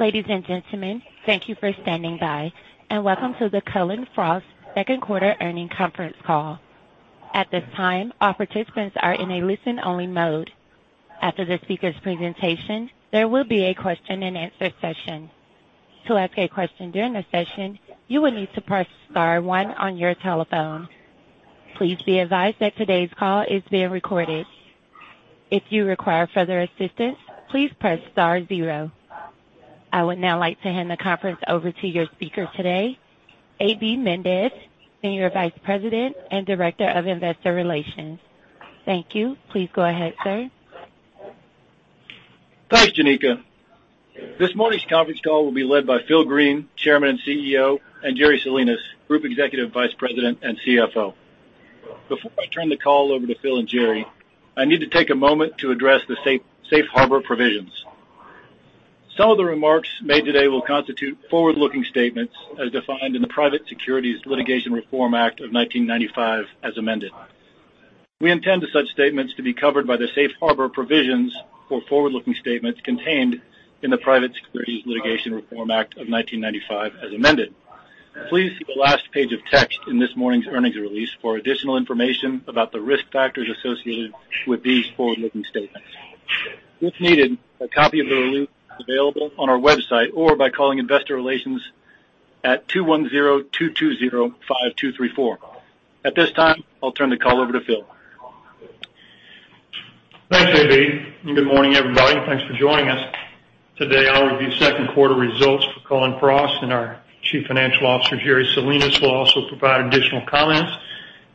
Ladies and gentlemen, thank you for standing by, and welcome to the Cullen/Frost second quarter earnings conference call. At this time, all participants are in a listen-only mode. After the speaker's presentation, there will be a question and answer session. To ask a question during the session, you will need to press star one on your telephone. Please be advised that today's call is being recorded. If you require further assistance, please press star zero. I would now like to hand the conference over to your speaker today, A.B. Mendez, Senior Vice President and Director of Investor Relations. Thank you. Please go ahead, sir. Thanks, Janica. This morning's conference call will be led by Phil Green, Chairman and Chief Executive Officer, and Jerry Salinas, Group Executive Vice President and Chief Financial Officer. Before I turn the call over to Phil and Jerry, I need to take a moment to address the safe harbor provisions. Some of the remarks made today will constitute forward-looking statements as defined in the Private Securities Litigation Reform Act of 1995 as amended. We intend to such statements to be covered by the safe harbor provisions for forward-looking statements contained in the Private Securities Litigation Reform Act of 1995 as amended. Please see the last page of text in this morning's earnings release for additional information about the risk factors associated with these forward-looking statements. If needed, a copy of the release is available on our website or by calling Investor Relations at 210-220-5234. At this time, I'll turn the call over to Phil. Thanks, A.B. Good morning, everybody. Thanks for joining us. Today, I'll review second quarter results for Cullen/Frost, and our Chief Financial Officer, Jerry Salinas, will also provide additional comments,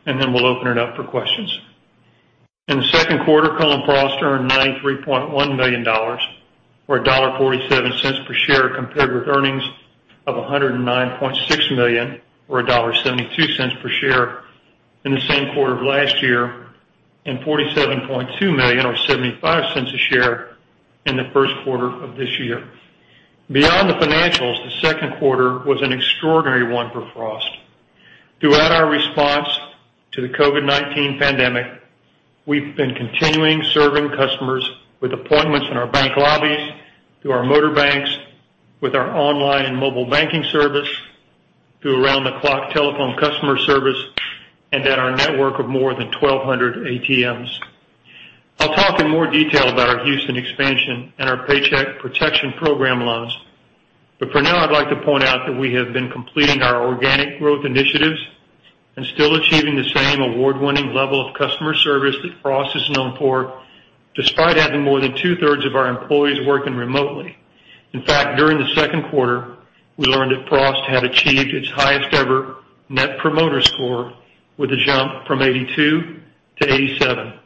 and then we'll open it up for questions. In the second quarter, Cullen/Frost earned $93.1 million, or $1.47 per share, compared with earnings of $109.6 million, or $1.72 per share in the same quarter of last year, and $47.2 million or $0.75 a share in the first quarter of this year. Beyond the financials, the second quarter was an extraordinary one for Frost. Throughout our response to the COVID-19 pandemic, we've been continuing serving customers with appointments in our bank lobbies, through our motor banks, with our online mobile banking service, through around-the-clock telephone customer service, and at our network of more than 1,200 ATMs. I'll talk in more detail about our Houston expansion and our Paycheck Protection Program loans, but for now, I'd like to point out that we have been completing our organic growth initiatives and still achieving the same award-winning level of customer service that Frost is known for, despite having more than two-thirds of our employees working remotely. In fact, during the second quarter, we learned that Frost had achieved its highest ever Net Promoter Score with a jump from 82 to 87.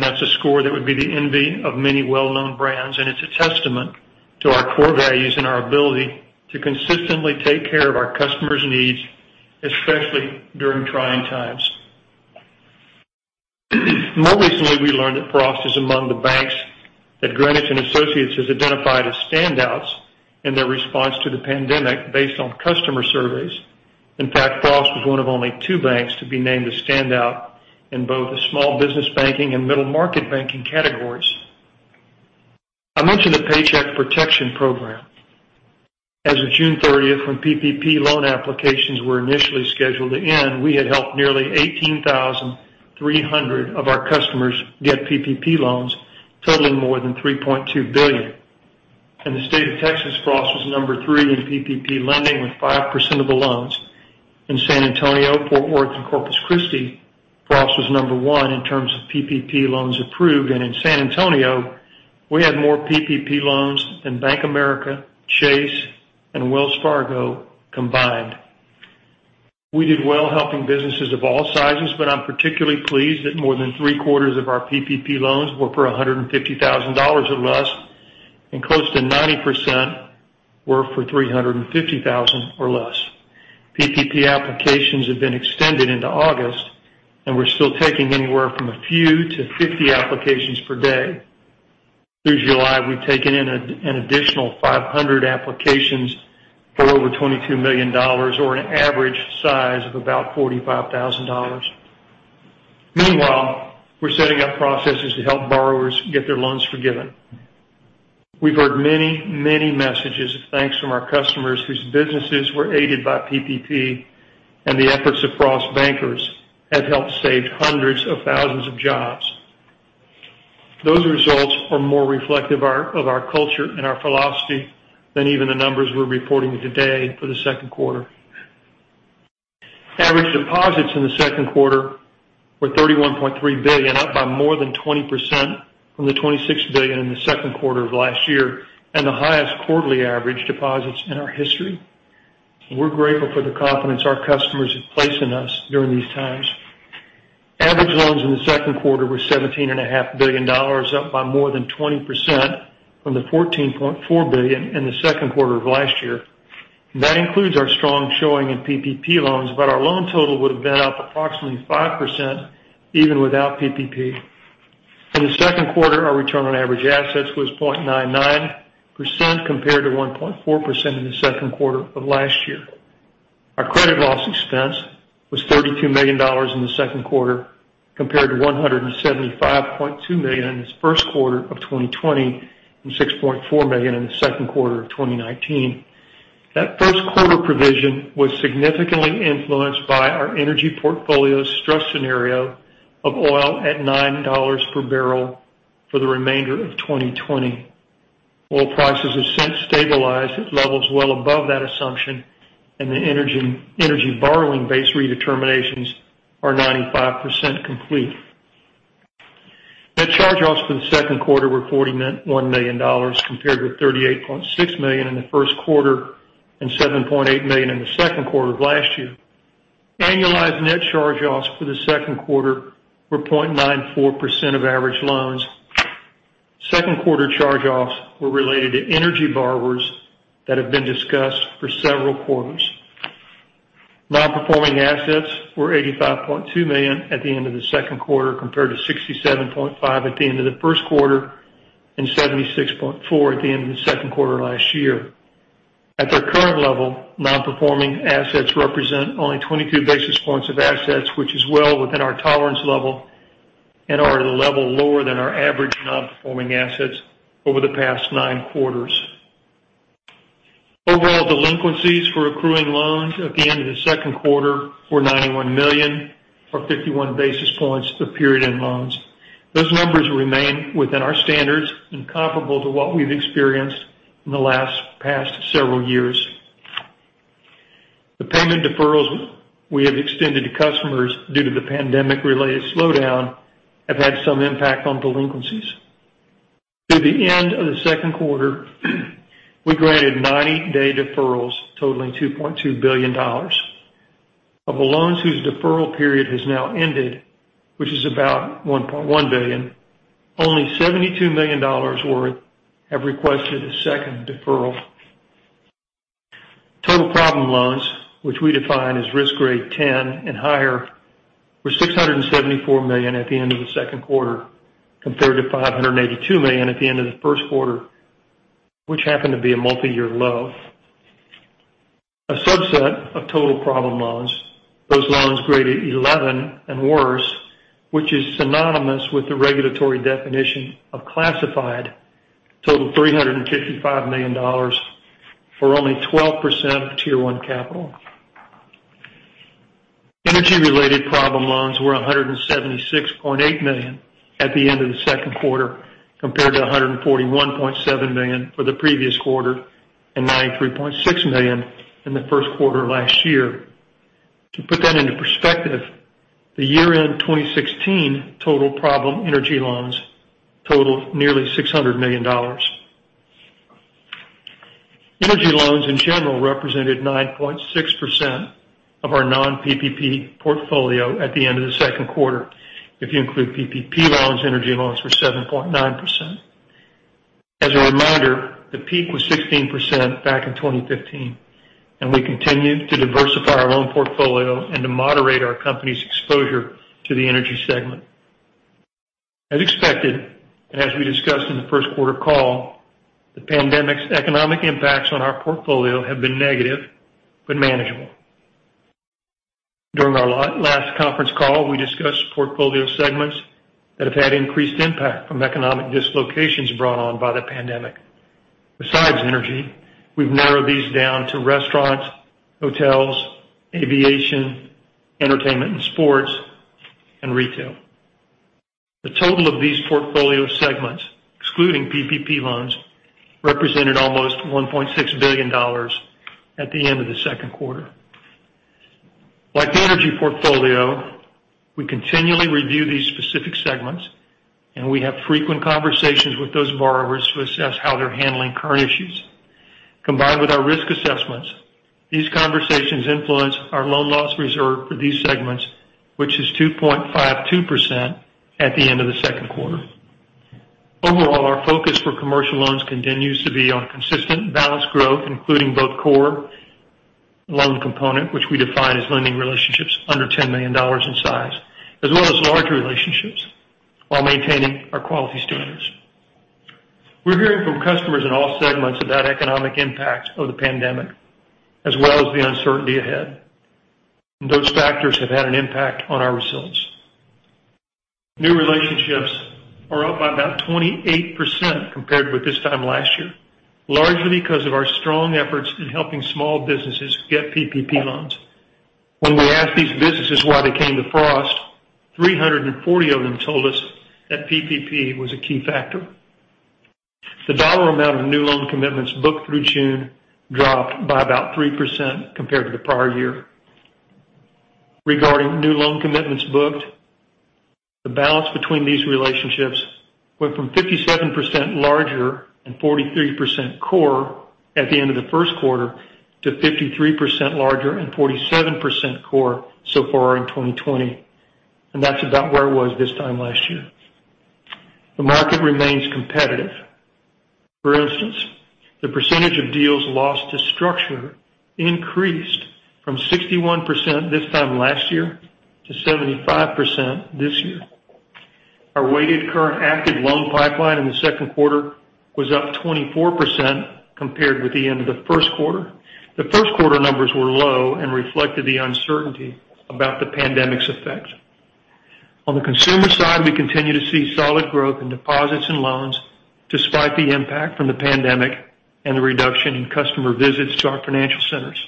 That's a score that would be the envy of many well-known brands, and it's a testament to our core values and our ability to consistently take care of our customers' needs, especially during trying times. More recently, we learned that Frost is among the banks that Greenwich & Associates has identified as standouts in their response to the pandemic based on customer surveys. In fact, Frost was one of only two banks to be named a standout in both the small business banking and middle market banking categories. I mentioned the Paycheck Protection Program. As of June 30th, when PPP loan applications were initially scheduled to end, we had helped nearly 18,300 of our customers get PPP loans totaling more than $3.2 billion. In the state of Texas, Frost was number three in PPP lending with 5% of the loans. In San Antonio, Fort Worth, and Corpus Christi, Frost was number one in terms of PPP loans approved. In San Antonio, we had more PPP loans than Bank of America, Chase, and Wells Fargo combined. We did well helping businesses of all sizes, but I'm particularly pleased that more than three-quarters of our PPP loans were for $150,000 or less, and close to 90% were for $350,000 or less. PPP applications have been extended into August. We're still taking anywhere from a few to 50 applications per day. Through July, we've taken in an additional 500 applications for over $22 million, or an average size of about $45,000. Meanwhile, we're setting up processes to help borrowers get their loans forgiven. We've heard many messages of thanks from our customers whose businesses were aided by PPP and the efforts of Frost bankers have helped save hundreds of thousands of jobs. Those results are more reflective of our culture and our philosophy than even the numbers we're reporting today for the second quarter. Average deposits in the second quarter were $31.3 billion, up by more than 20% from the $26 billion in the second quarter of last year and the highest quarterly average deposits in our history. We're grateful for the confidence our customers have placed in us during these times. Average loans in the second quarter were $17.5 billion, up by more than 20% from the $14.4 billion in the second quarter of last year. That includes our strong showing in PPP loans, but our loan total would have been up approximately 5% even without PPP. In the second quarter, our return on average assets was 0.99% compared to 1.4% in the second quarter of last year. Our credit loss expense was $32 million in the second quarter compared to $175.2 million in the first quarter of 2020 and $6.4 million in the second quarter of 2019. That first quarter provision was significantly influenced by our energy portfolio stress scenario of oil at $9 per barrel for the remainder of 2020. Oil prices have since stabilized at levels well above that assumption, and the energy borrowing base redeterminations are 95% complete. Net charge-offs for the second quarter were $41 million, compared with $38.6 million in the first quarter and $7.8 million in the second quarter of last year. Annualized net charge-offs for the second quarter were 0.94% of average loans. Second quarter charge-offs were related to energy borrowers that have been discussed for several quarters. Non-performing assets were $85.2 million at the end of the second quarter, compared to $67.5 at the end of the first quarter and $76.4 at the end of the second quarter last year. At their current level, non-performing assets represent only 22 basis points of assets, which is well within our tolerance level and are at a level lower than our average non-performing assets over the past nine quarters. Overall delinquencies for accruing loans at the end of the second quarter were $91 million, or 51 basis points of period-end loans. Those numbers remain within our standards and comparable to what we've experienced in the last past several years. The payment deferrals we have extended to customers due to the pandemic-related slowdown have had some impact on delinquencies. Through the end of the second quarter, we granted 90-day deferrals totaling $2.2 billion. Of the loans whose deferral period has now ended, which is about $1.1 billion, only $72 million worth have requested a second deferral. Total problem loans, which we define as risk grade 10 and higher, were $674 million at the end of the second quarter, compared to $582 million at the end of the first quarter, which happened to be a multi-year low. A subset of total problem loans, those loans graded 11 and worse, which is synonymous with the regulatory definition of classified, total $355 million for only 12% of Tier 1 capital. Energy-related problem loans were $176.8 million at the end of the second quarter, compared to $141.7 million for the previous quarter and $93.6 million in the first quarter last year. To put that into perspective, the year-end 2016 total problem energy loans totaled nearly $600 million. Energy loans in general represented 9.6% of our non-PPP portfolio at the end of the second quarter. If you include PPP loans, energy loans were 7.9%. As a reminder, the peak was 16% back in 2015, and we continue to diversify our loan portfolio and to moderate our company's exposure to the energy segment. As expected, and as we discussed in the first quarter call, the pandemic's economic impacts on our portfolio have been negative, but manageable. During our last conference call, we discussed portfolio segments that have had increased impact from economic dislocations brought on by the pandemic. Besides energy, we've narrowed these down to restaurants, hotels, aviation, entertainment and sports, and retail. The total of these portfolio segments, excluding PPP loans, represented almost $1.6 billion at the end of the second quarter. Like the energy portfolio, we continually review these specific segments, and we have frequent conversations with those borrowers to assess how they're handling current issues. Combined with our risk assessments, these conversations influence our loan loss reserve for these segments, which is 2.52% at the end of the second quarter. Overall, our focus for commercial loans continues to be on consistent balanced growth, including both core loan component, which we define as lending relationships under $10 million in size, as well as larger relationships while maintaining our quality standards. We're hearing from customers in all segments about economic impact of the pandemic, as well as the uncertainty ahead, and those factors have had an impact on our results. New relationships are up by about 28% compared with this time last year, largely because of our strong efforts in helping small businesses get PPP loans. When we asked these businesses why they came to Frost, 340 of them told us that PPP was a key factor. The dollar amount of new loan commitments booked through June dropped by about 3% compared to the prior year. Regarding new loan commitments booked, the balance between these relationships went from 57% larger and 43% core at the end of the first quarter to 53% larger and 47% core so far in 2020. That's about where it was this time last year. The market remains competitive. For instance, the percentage of deals lost to structure increased from 61% this time last year to 75% this year. Our weighted current active loan pipeline in the second quarter was up 24% compared with the end of the first quarter. The first quarter numbers were low and reflected the uncertainty about the pandemic's effects. On the consumer side, we continue to see solid growth in deposits and loans, despite the impact from the pandemic and the reduction in customer visits to our financial centers.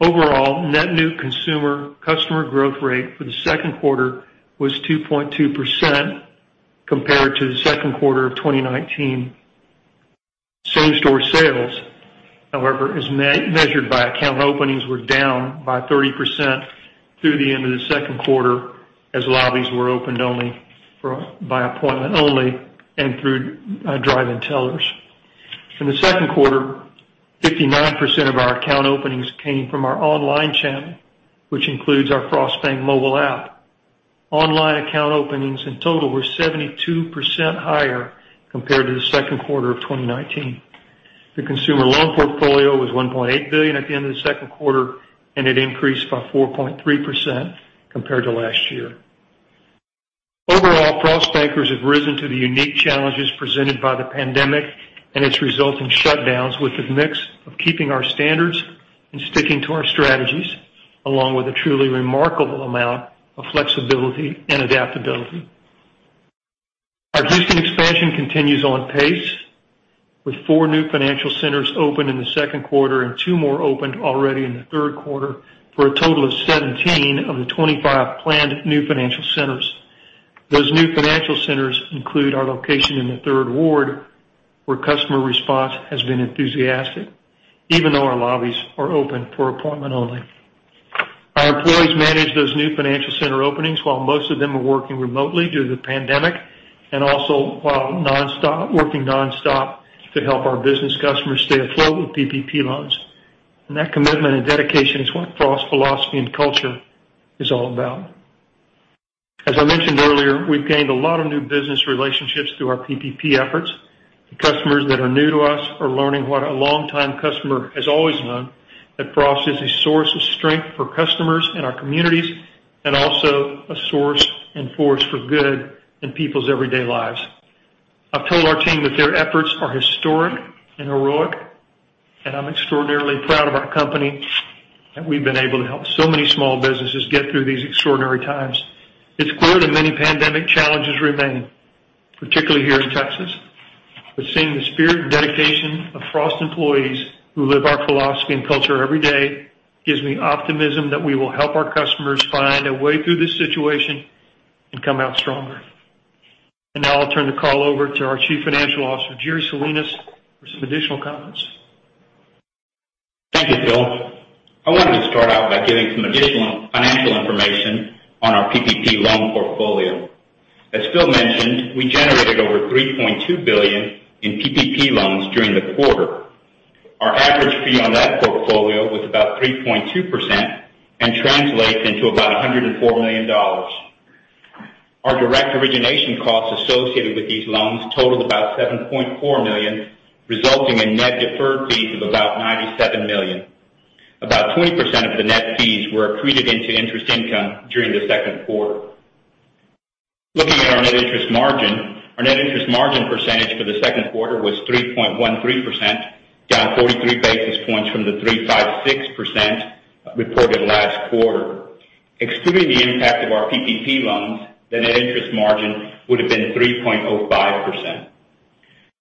Overall, net new consumer customer growth rate for the second quarter was 2.2% compared to the second quarter of 2019. Same-store sales, however, as measured by account openings, were down by 30% through the end of the second quarter, as lobbies were opened by appointment only and through drive-in tellers. In the second quarter, 59% of our account openings came from our online channel, which includes our Frost Bank mobile app. Online account openings in total were 72% higher compared to the second quarter of 2019. The consumer loan portfolio was $1.8 billion at the end of the second quarter, and it increased by 4.3% compared to last year. Overall, Frost bankers have risen to the unique challenges presented by the pandemic and its resulting shutdowns with a mix of keeping our standards and sticking to our strategies, along with a truly remarkable amount of flexibility and adaptability. Our Houston expansion continues on pace with four new financial centers opened in the second quarter and two more opened already in the third quarter for a total of 17 financial centers of the 25 planned new financial centers. Those new financial centers include our location in the Third Ward, where customer response has been enthusiastic, even though our lobbies are open for appointment only. Our employees managed those new financial center openings while most of them are working remotely due to the pandemic, and also while working nonstop to help our business customers stay afloat with PPP loans. That commitment and dedication is what Frost philosophy and culture is all about. As I mentioned earlier, we've gained a lot of new business relationships through our PPP efforts. The customers that are new to us are learning what a longtime customer has always known, that Frost is a source of strength for customers in our communities and also a source and force for good in people's everyday lives. I've told our team that their efforts are historic and heroic, and I'm extraordinarily proud of our company, that we've been able to help so many small businesses get through these extraordinary times. It's clear that many pandemic challenges remain, particularly here in Texas, but seeing the spirit and dedication of Frost employees who live our philosophy and culture every day gives me optimism that we will help our customers find a way through this situation and come out stronger. Now I'll turn the call over to our Chief Financial Officer, Jerry Salinas, for some additional comments. Thank you, Phil. I wanted to start out by giving some additional financial information on our PPP loan portfolio. As Phil mentioned, we generated over $3.2 billion in PPP loans during the quarter. Our average fee on that portfolio was about 3.2% and translates into about $104 million. Our direct origination costs associated with these loans totaled about $7.4 million, resulting in net deferred fees of about $97 million. About 20% of the net fees were accreted into interest income during the second quarter. Looking at our net interest margin, our net interest margin percentage for the second quarter was 3.13%, down 43 basis points from the 3.56% reported last quarter. Excluding the impact of our PPP loans, the net interest margin would have been 3.05%.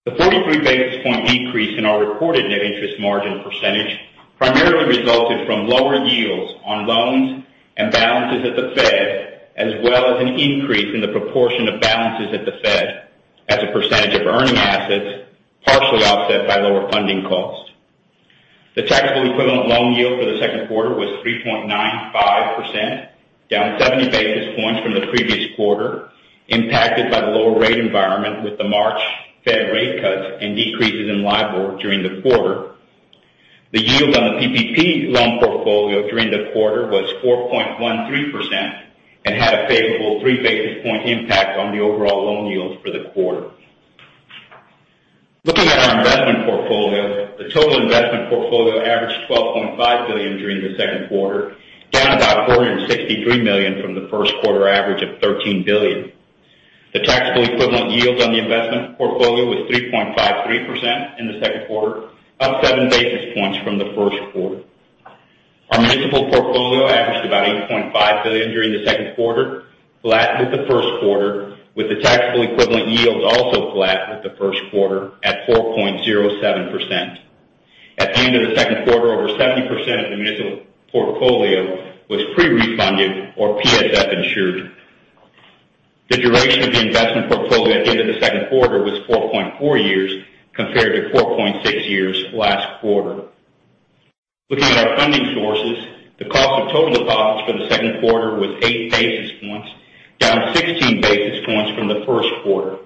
The 43 basis point decrease in our reported net interest margin percentage primarily resulted from lower yields on loans and balances at the Fed, as well as an increase in the proportion of balances at the Fed as a percentage of earning assets, partially offset by lower funding costs. The taxable equivalent loan yield for the second quarter was 3.95%, down 70 basis points from the previous quarter, impacted by the lower rate environment with the March Fed rate cuts and decreases in LIBOR during the quarter. The yield on the PPP loan portfolio during the quarter was 4.13% and had a favorable three basis point impact on the overall loan yields for the quarter. Looking at our investment portfolio, the total investment portfolio averaged $12.5 billion during the second quarter, down about $463 million from the first quarter average of $13 billion. The taxable equivalent yields on the investment portfolio was 3.53% in the second quarter, up seven basis points from the first quarter. Our municipal portfolio averaged about $8.5 billion during the second quarter, flat with the first quarter, with the taxable equivalent yields also flat with the first quarter at 4.07%. At the end of the second quarter, over 70% of the municipal portfolio was pre-refunded or PSF insured. The duration of the investment portfolio at the end of the second quarter was 4.4 years compared to 4.6 years last quarter. Looking at our funding sources, the cost of total deposits for the second quarter was eight basis points, down 16 basis points from the first quarter.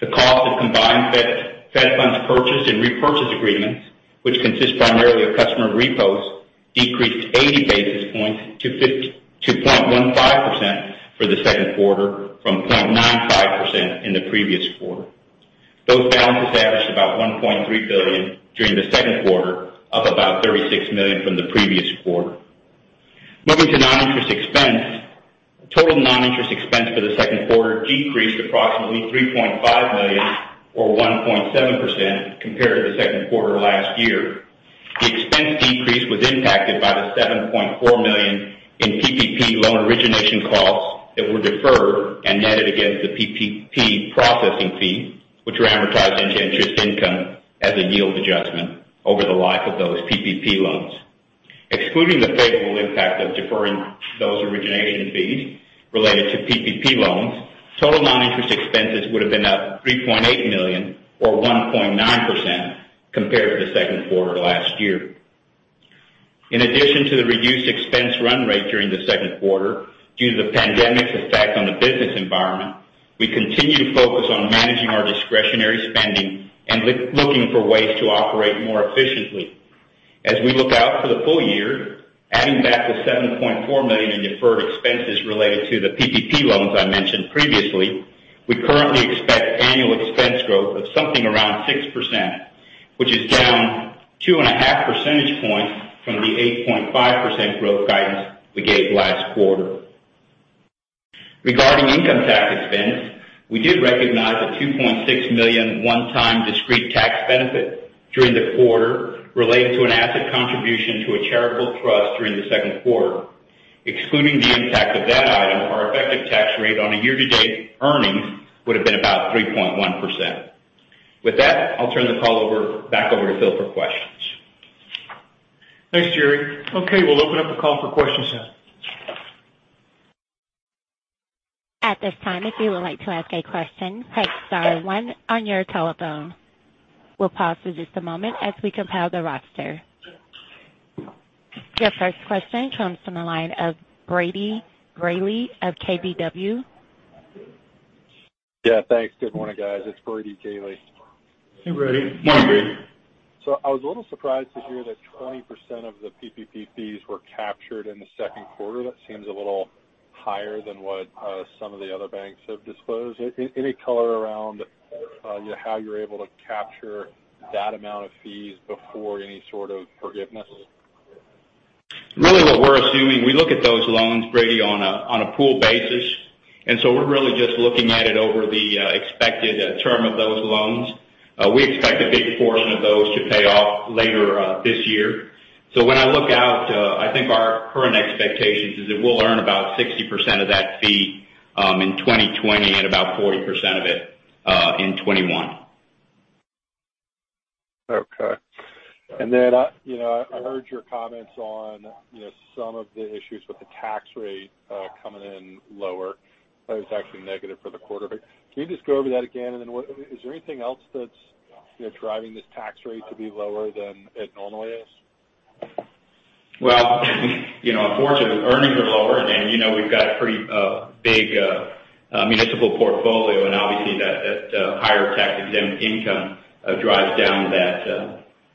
The cost of combined Fed funds purchased and repurchase agreements, which consist primarily of customer repos, decreased 80 basis points to 0.15% for the second quarter from 0.95% in the previous quarter. Those balances averaged about $1.3 billion during the second quarter, up about $36 million from the previous quarter. Moving to non-interest expense. Total non-interest expense for the second quarter decreased approximately $3.5 million, or 1.7%, compared to the second quarter last year. The expense decrease was impacted by the $7.4 million in PPP loan origination costs that were deferred and netted against the PPP processing fee, which were amortized into interest income as a yield adjustment over the life of those PPP loans. Excluding the favorable impact of deferring those origination fees related to PPP loans, total non-interest expenses would've been up $3.8 million, or 1.9%, compared to the second quarter last year. In addition to the reduced expense run rate during the second quarter due to the pandemic's effect on the business environment, we continue to focus on managing our discretionary spending and looking for ways to operate more efficiently. As we look out for the full year, adding back the $7.4 million in deferred expenses related to the PPP loans I mentioned previously, we currently expect annual expense growth of something around 6%, which is down 2.5 Percentage points from the 8.5% growth guidance we gave last quarter. Regarding income tax expense, we did recognize a $2.6 million one-time discrete tax benefit during the quarter related to an asset contribution to a charitable trust during the second quarter. Excluding the impact of that item, our effective tax rate on a year-to-date earnings would've been about 3.1%. With that, I'll turn the call back over to Phil for questions. Thanks, Jerry. Okay, we'll open up the call for questions now. At this time, if you would like to ask a question, press star one on your telephone. We'll pause for just a moment as we compile the roster. Your first question comes from the line of Brady Gailey of KBW. Yeah, thanks. Good morning, guys. It's Brady Gailey. Hey, Brady. Morning, Brady. I was a little surprised to hear that 20% of the PPP fees were captured in the second quarter. That seems a little higher than what some of the other banks have disclosed. Any color around how you're able to capture that amount of fees before any sort of forgiveness? Really what we're assuming, we look at those loans, Brady, on a pool basis. We're really just looking at it over the expected term of those loans. We expect a big portion of those to pay off later this year. When I look out, I think our current expectation is that we'll earn about 60% of that fee in 2020 and about 40% of it in 2021. Okay. I heard your comments on some of the issues with the tax rate coming in lower. It was actually negative for the quarter. Can you just go over that again, is there anything else that's driving this tax rate to be lower than it normally is? Well, unfortunately, earnings are lower, and we've got a pretty big municipal portfolio, and obviously, that higher tax-exempt income drives down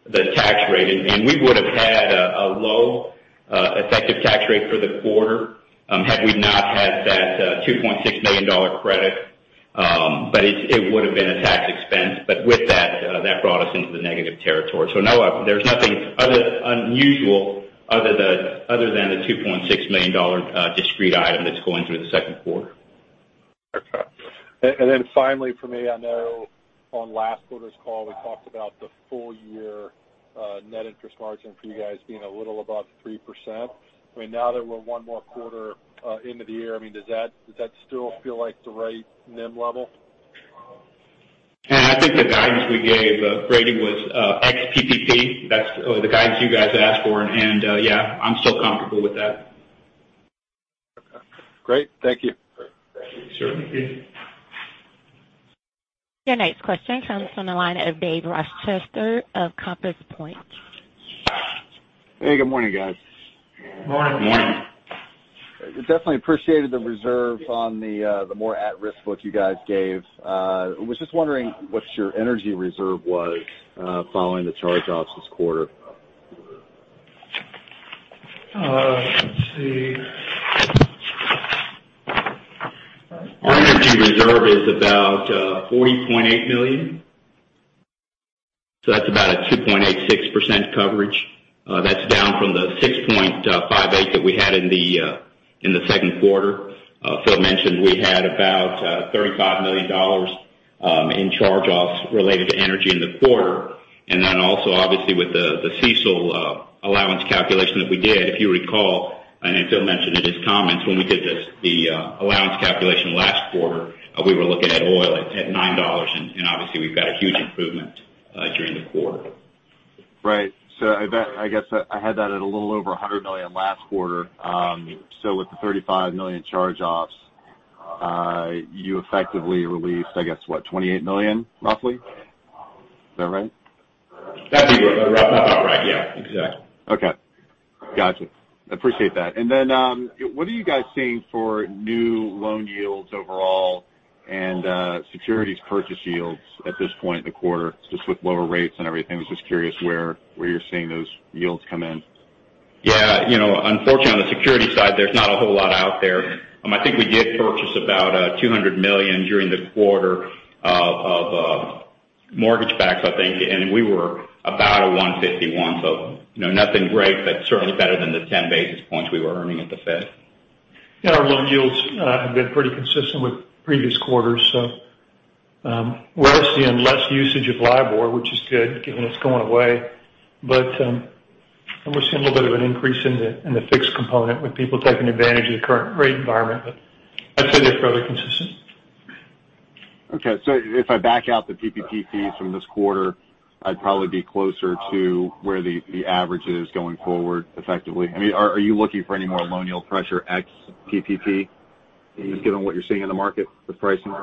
the tax rate. We would've had a low effective tax rate for the quarter had we not had that $2.6 million credit. It would've been a tax expense. With that brought us into the negative territory. No, there's nothing unusual other than the $2.6 million discrete item that's going through the second quarter. Okay. Finally from me, I know on last quarter's call, we talked about the full year net interest margin for you guys being a little above 3%. Now that we're one more quarter into the year, does that still feel like the right NIM level? Yeah, I think the guidance we gave, Brady, was ex PPP. That's the guidance you guys asked for. Yeah, I'm still comfortable with that. Okay, great. Thank you. Sure. Thank you. Your next question comes from the line of David Rochester of Compass Point. Hey, good morning, guys. Morning. Morning. Definitely appreciated the reserve on the more at-risk book you guys gave. I was just wondering what your energy reserve was following the charge-offs this quarter. Let's see. Our energy reserve is about $40.8 million. That's about a 2.86% coverage. That's down from the 6.58% that we had in the second quarter. Phil mentioned we had about $35 million in charge-offs related to energy in the quarter. Then also, obviously, with the CECL allowance calculation that we did, if you recall, I know Phil mentioned in his comments, when we did the allowance calculation last quarter, we were looking at oil at $9, and obviously, we've got a huge improvement during the quarter. Right. I guess I had that at a little over $100 million last quarter. With the $35 million charge-offs, you effectively released, I guess, what, $28 million roughly? Is that right? That'd be roughly about right. Yeah, exactly. Okay. Gotcha. Appreciate that. What are you guys seeing for new loan yields overall and securities purchase yields at this point in the quarter, just with lower rates and everything? Was just curious where you're seeing those yields come in. Yeah. Unfortunately, on the security side, there's not a whole lot out there. I think we did purchase about $200 million during the quarter of Mortgage-backed, I think, and we were about a $151 million. Nothing great, but certainly better than the 10 basis points we were earning at the Fed. Our loan yields have been pretty consistent with previous quarters. We're seeing less usage of LIBOR, which is good given it's going away. We're seeing a little bit of an increase in the fixed component with people taking advantage of the current rate environment. I'd say they're fairly consistent. Okay. If I back out the PPP fees from this quarter, I'd probably be closer to where the average is going forward effectively. Are you looking for any more loan yield pressure ex-PPP, given what you're seeing in the market with pricing?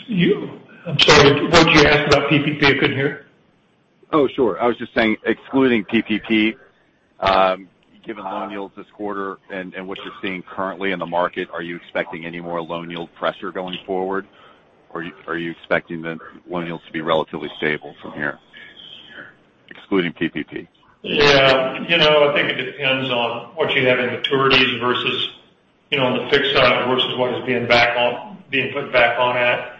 I'm sorry, what did you ask about PPP? I couldn't hear. Oh, sure. I was just saying, excluding PPP, given loan yields this quarter and what you're seeing currently in the market, are you expecting any more loan yield pressure going forward? Are you expecting the loan yields to be relatively stable from here, excluding PPP? I think it depends on what you have in maturities versus on the fixed side versus what is being put back on at.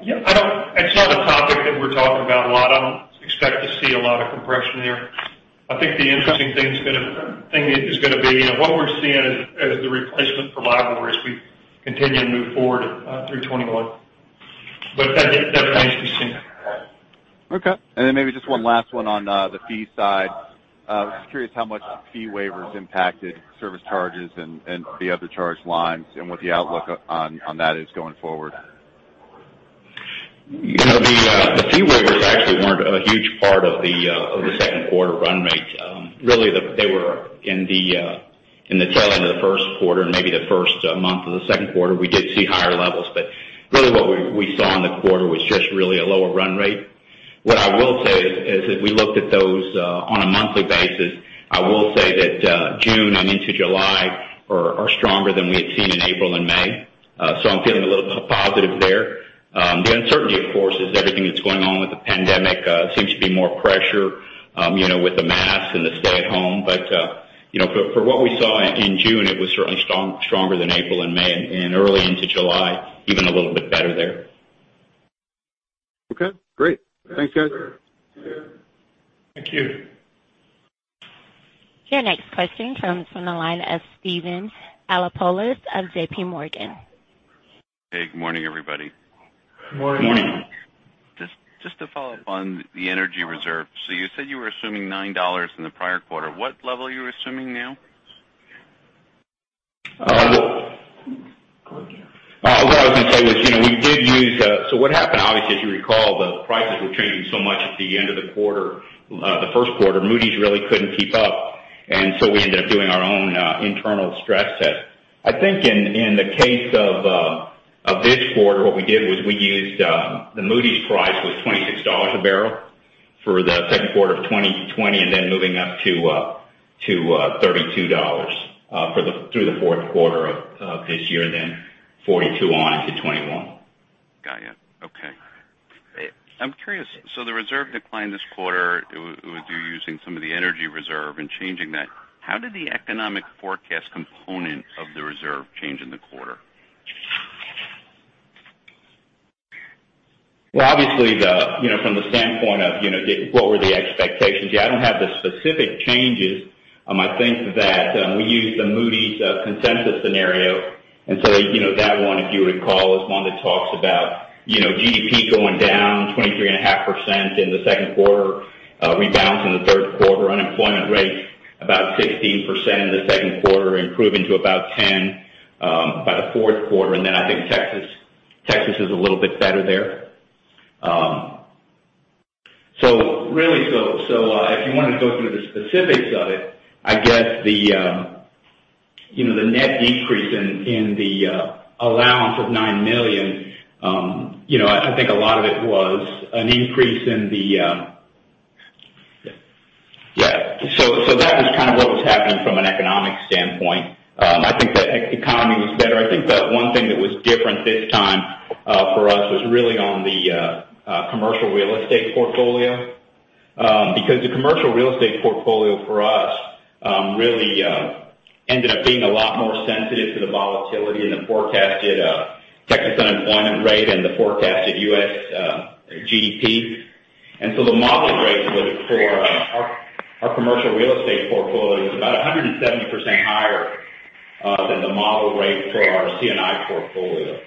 It's not a topic that we're talking about a lot. I don't expect to see a lot of compression there. I think the interesting thing is going to be what we're seeing as the replacement for LIBOR as we continue to move forward through 2021. That remains to be seen. Okay. Then maybe just one last one on the fee side. I was curious how much the fee waivers impacted service charges and the other charge lines and what the outlook on that is going forward. The fee waivers actually weren't a huge part of the second quarter run rate. They were in the tail end of the first quarter and maybe the first month of the second quarter, we did see higher levels. Really what we saw in the quarter was just really a lower run rate. What I will say is if we looked at those on a monthly basis, I will say that June and into July are stronger than we had seen in April and May. I'm feeling a little positive there. The uncertainty, of course, is everything that's going on with the pandemic. Seems to be more pressure with the masks and the stay at home. For what we saw in June, it was certainly stronger than April and May, and early into July, even a little bit better there. Okay, great. Thanks, guys. Thank you. Your next question comes from the line of Steven Alexopoulos of JPMorgan. Hey, good morning, everybody. Morning. Morning. Just to follow up on the energy reserve. You said you were assuming $9 in the prior quarter. What level are you assuming now? What I was going to say was, what happened, obviously, as you recall, the prices were changing so much at the end of the quarter, the first quarter, Moody's really couldn't keep up. We ended up doing our own internal stress test. I think in the case of this quarter, what we did was we used the Moody's price was $26 a barrel for the second quarter of 2020, and then moving up to $32 a barrel through the fourth quarter of this year, and then $42 a barrel on into 2021. Got you. Okay. I'm curious. The reserve declined this quarter with you using some of the energy reserve and changing that. How did the economic forecast component of the reserve change in the quarter? Well, obviously from the standpoint of what were the expectations, I don't have the specific changes. I think that we used the Moody's consensus scenario, and so that one, if you recall, is one that talks about GDP going down 23.5% in the second quarter, a rebound from the third quarter, unemployment rate about 16% in the second quarter, improving to about 10% by the fourth quarter. I think Texas is a little bit better there. If you want to go through the specifics of it, I guess the net decrease in the allowance of $9 million, I think a lot of it was an increase in the, that was kind of what was happening from an economic standpoint. I think the economy was better. I think the one thing that was different this time for us was really on the commercial real estate portfolio. The commercial real estate portfolio for us really ended up being a lot more sensitive to the volatility in the forecasted Texas unemployment rate and the forecasted U.S. GDP. The model rate for our commercial real estate portfolio is about 170% higher than the model rate for our C&I portfolio.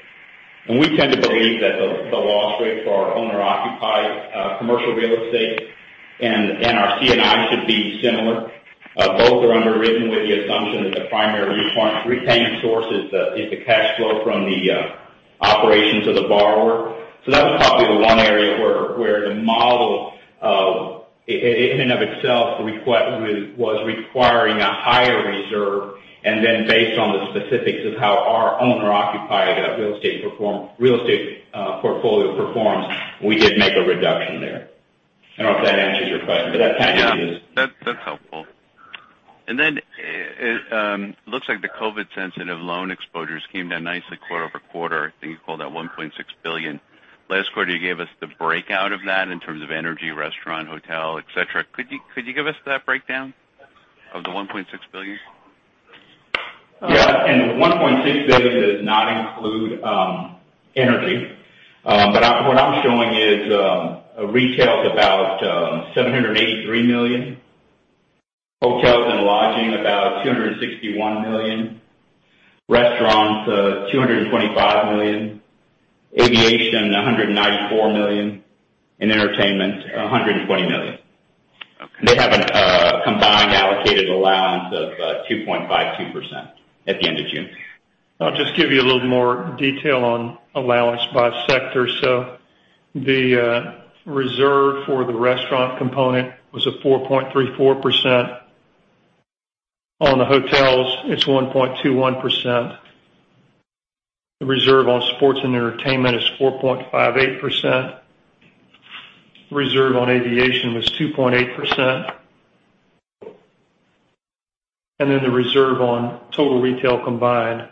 We tend to believe that the loss rate for our owner-occupied commercial real estate and our C&I should be similar. Both are underwritten with the assumption that the primary repayment source is the cash flow from the operations of the borrower. That was probably the one area where the model in and of itself was requiring a higher reserve, and then based on the specifics of how our owner-occupied real estate portfolio performs, we did make a reduction there. I don't know if that answers your question. Yeah. That's helpful. Then it looks like the COVID sensitive loan exposures came down nicely quarter-over-quarter. I think you called out $1.6 billion. Last quarter, you gave us the breakout of that in terms of energy, restaurant, hotel, et cetera. Could you give us that breakdown of the $1.6 billion? The $1.6 billion does not include energy. What I'm showing is retail is about $783 million, hotels and lodging about $261 million, restaurants $225 million, aviation $194 million, and entertainment $120 million. Okay. They have a combined allocated allowance of 2.52% at the end of June. I'll just give you a little more detail on allowance by sector. The reserve for the restaurant component was a 4.34%. On the hotels, it's 1.21%. The reserve on sports and entertainment is 4.58%. Reserve on aviation was 2.8%, and then the reserve on total retail combined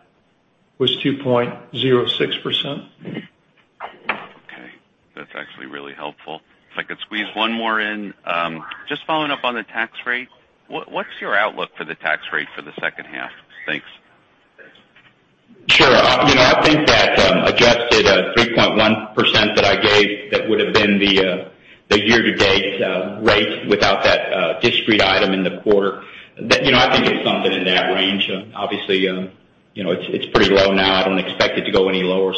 was 2.06%. Okay. That's actually really helpful. If I could squeeze one more in. Just following up on the tax rate, what's your outlook for the tax rate for the second half? Thanks. Sure. I think that adjusted 3.1% that I gave, that would have been the year-to-date rate without that discrete item in the quarter. I think it's something in that range. Obviously, it's pretty low now. I don't expect it to go any lower.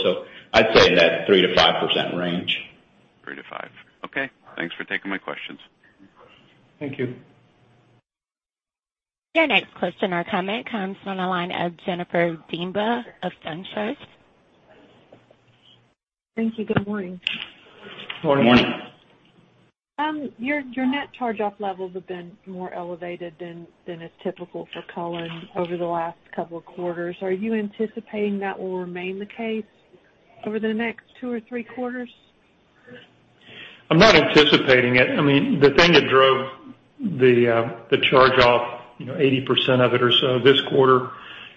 I'd say in that 3%-5% range. Three to five. Okay, thanks for taking my questions. Thank you. Your next question or comment comes from the line of Jennifer Demba of SunTrust. Thank you. Good morning. Morning. Morning. Your net charge-off levels have been more elevated than is typical for Cullen over the last couple of quarters. Are you anticipating that will remain the case over the next two or three quarters? I'm not anticipating it. The thing that drove the charge-off, 80% of it or so this quarter,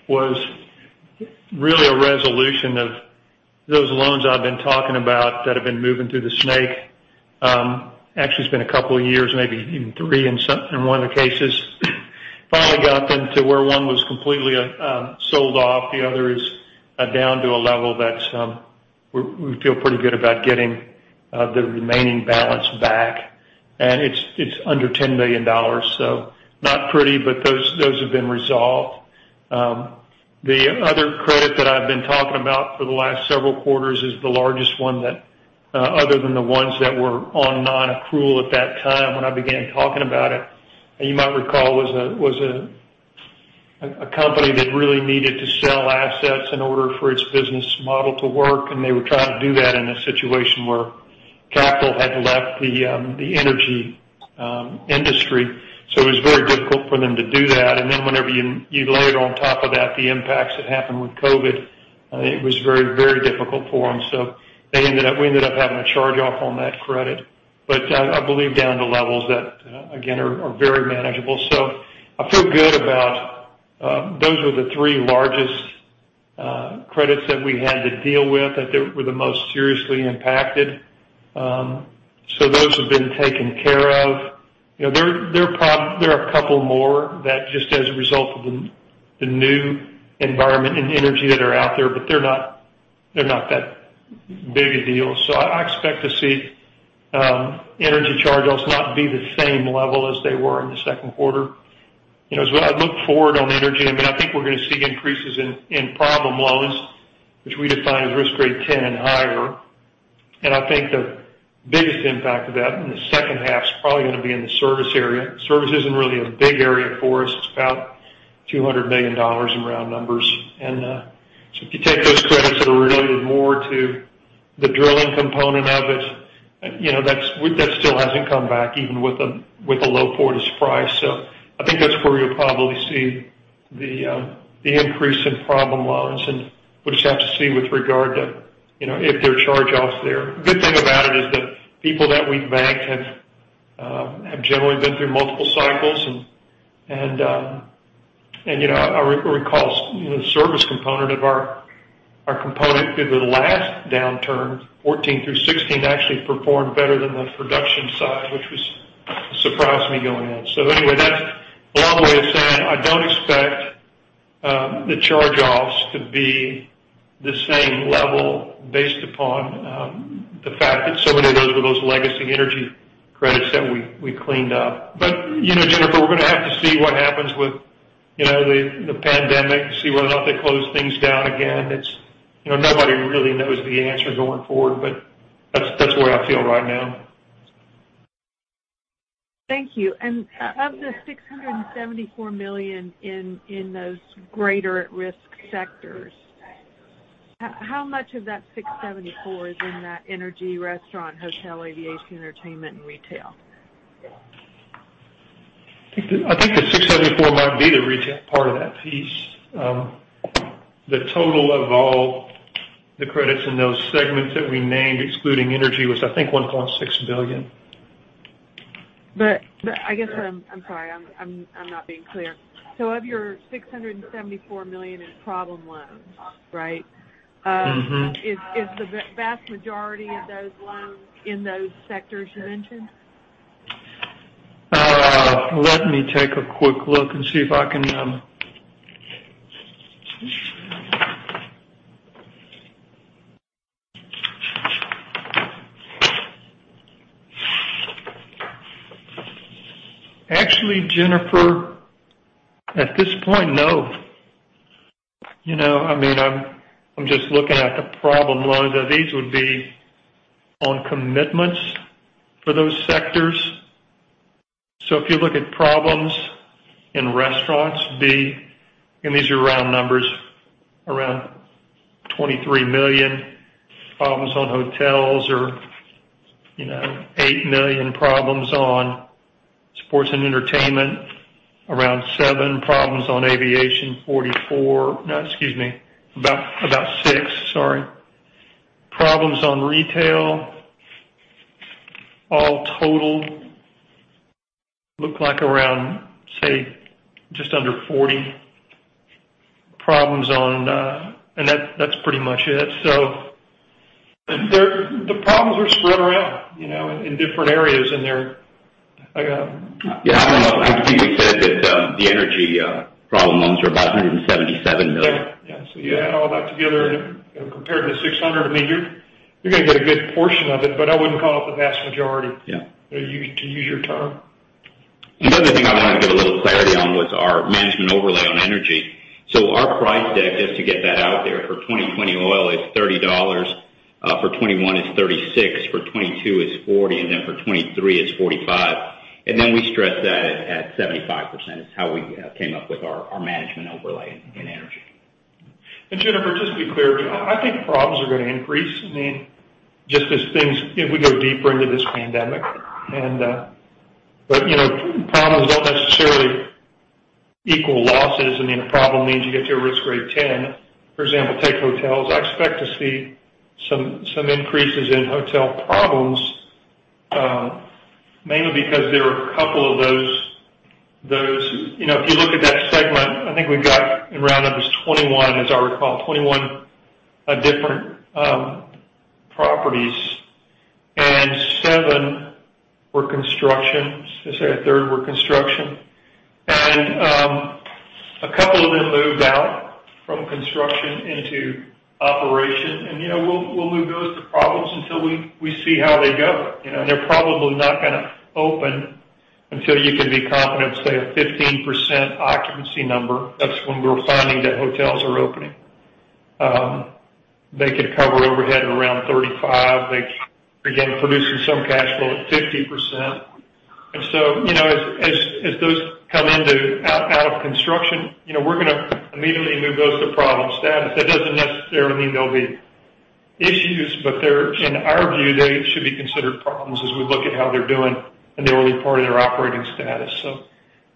was really a resolution of those loans I've been talking about that have been moving through the snake. Actually, it's been a couple of years, maybe even three in one of the cases. Finally got them to where one was completely sold off. The other is down to a level that we feel pretty good about getting the remaining balance back, and it's under $10 million. Not pretty, but those have been resolved. The other credit that I've been talking about for the last several quarters is the largest one that, other than the ones that were on non-accrual at that time when I began talking about it, you might recall, was a company that really needed to sell assets in order for its business model to work, and they were trying to do that in a situation where capital had left the energy industry. It was very difficult for them to do that. Whenever you layered on top of that the impacts that happened with COVID, it was very difficult for them. We ended up having a charge-off on that credit, but I believe down to levels that, again, are very manageable. I feel good about. Those were the three largest credits that we had to deal with, that they were the most seriously impacted. Those have been taken care of. There are a couple more that just as a result of the new environment in energy that are out there, but they're not that big a deal. I expect to see energy charge-offs not be the same level as they were in the second quarter. As what I look forward on energy, I think we're going to see increases in problem loans, which we define as risk grade 10 and higher. I think the biggest impact of that in the second half is probably going to be in the service area. Service isn't really a big area for us. It's about $200 million in round numbers. If you take those credits that are related more to the drilling component of it, that still hasn't come back even with a low forward price. I think that's where you'll probably see the increase in problem loans, and we'll just have to see with regard to if there are charge-offs there. Good thing about it is that people that we've banked have generally been through multiple cycles, and I recall the service component of our component through the last downturn, 2014-2016, actually performed better than the production side, which surprised me going in. Anyway, that's a long way of saying I don't expect the charge-offs to be the same level based upon the fact that so many of those were those legacy energy credits that we cleaned up. Jennifer, we're going to have to see what happens with the pandemic, see whether or not they close things down again. Nobody really knows the answer going forward, but that's the way I feel right now. Thank you. Of the $674 million in those greater at-risk sectors, how much of that $674 million is in that energy, restaurant, hotel, aviation, entertainment, and retail? I think the $674 might be the retail part of that piece. The total of all the credits in those segments that we named, excluding energy, was, I think, $1.6 billion. I guess, I'm sorry. I'm not being clear. Of your $674 million in problem loans, right? Is the vast majority of those loans in those sectors you mentioned? Let me take a quick look and see if I can actually, Jennifer, at this point, no. I'm just looking at the problem loans. These would be on commitments for those sectors. If you look at problems in restaurants, and these are round numbers, around $23 million problems on hotels, or $8 million problems on sports and entertainment, around seven problems on aviation, about six. Problems on retail, all total, look like around, say, just under $40 million. That's pretty much it. The problems are spread around in different areas. Yeah. I think we said that the energy problem loans are about $177 million. Yeah. You add all that together and compared to $600 million, you're going to get a good portion of it, but I wouldn't call it the vast majority. To use your term. Another thing I wanted to give a little clarity on was our management overlay on energy. Our price deck, just to get that out there, for 2020 oil is $30, for 2021 is $36, for 2022 is $40, for 2023 is $45. We stress that at 75%, is how we came up with our management overlay in energy. Jennifer, just to be clear, I think problems are going to increase, just as things if we go deeper into this pandemic. Problems don't necessarily equal losses, a problem means you get to a risk grade 10. For example, take hotels. I expect to see some increases in hotel problems, mainly because there are a couple of those. If you look at that segment, I think we've got, in round numbers, 21 properties, as I recall, 21 different properties, and seven were construction. I say a third were construction. A couple of them moved out from construction into operation. We'll move those to problems until we see how they go. They're probably not going to open until you can be confident, say, a 15% occupancy number. That's when we're finding that hotels are opening. They could cover overhead around 35. They begin producing some cash flow at 50%. As those come out of construction, we're going to immediately move those to problem status. That doesn't necessarily mean there'll be issues, but in our view, they should be considered problems as we look at how they're doing, and they will report their operating status.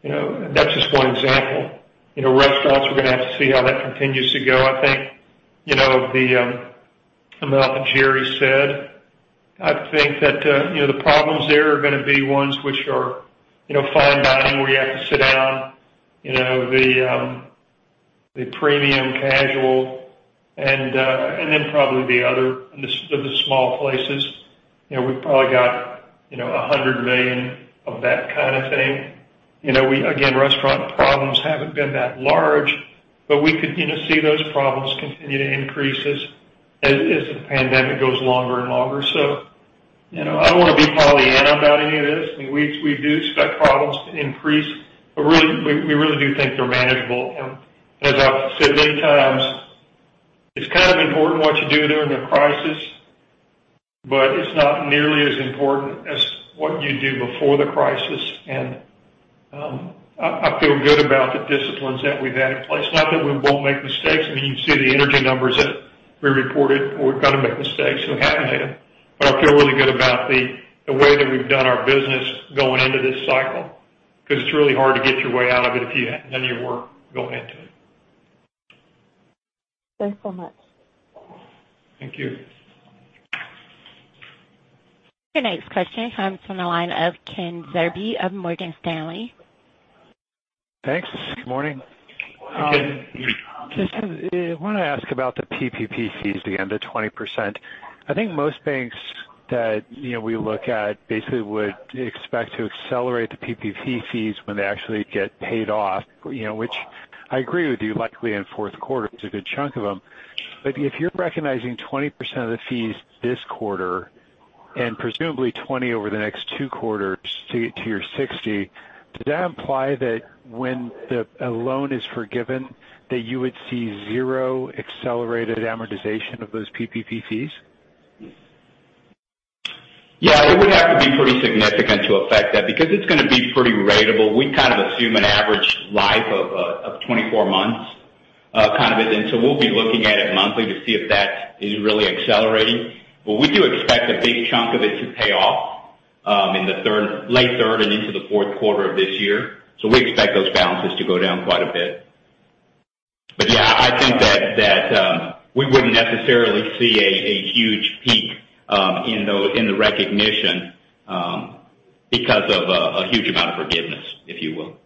That's just one example. Restaurants, we're going to have to see how that continues to go. I think the amount that Jerry said, I think that the problems there are going to be ones which are fine dining, where you have to sit down, the premium casual, and then probably the other, the small places. We've probably got $100 million of that kind of thing. Again, restaurant problems haven't been that large, but we could see those problems continue to increase as the pandemic goes longer and longer. I don't want to be Pollyanna about any of this. We do expect problems to increase, but we really do think they're manageable. As I've said many times, it's kind of important what you do during a crisis, but it's not nearly as important as what you do before the crisis. I feel good about the disciplines that we've had in place. Not that we won't make mistakes. You can see the energy numbers that we reported. We're going to make mistakes. We have made them. I feel really good about the way that we've done our business going into this cycle, because it's really hard to get your way out of it if you haven't done your work going into it. Thanks so much. Thank you. Your next question comes from the line of Ken Zerbe of Morgan Stanley. Thanks. Good morning. Good morning. Just want to ask about the PPP fees again, the 20%. I think most banks that we look at basically would expect to accelerate the PPP fees when they actually get paid off, which I agree with you, likely in fourth quarter is a good chunk of them. If you're recognizing 20% of the fees this quarter, and presumably 20% over the next two quarters to get to your 60%, does that imply that when a loan is forgiven, that you would see zero accelerated amortization of those PPP fees? Yeah. It would have to be pretty significant to affect that because it's going to be pretty ratable. We kind of assume an average life of 24 months. We'll be looking at it monthly to see if that is really accelerating. We do expect a big chunk of it to pay off in the late third and into the fourth quarter of this year. We expect those balances to go down quite a bit. Yeah, I think that we wouldn't necessarily see a huge peak in the recognition because of a huge amount of forgiveness, if you will.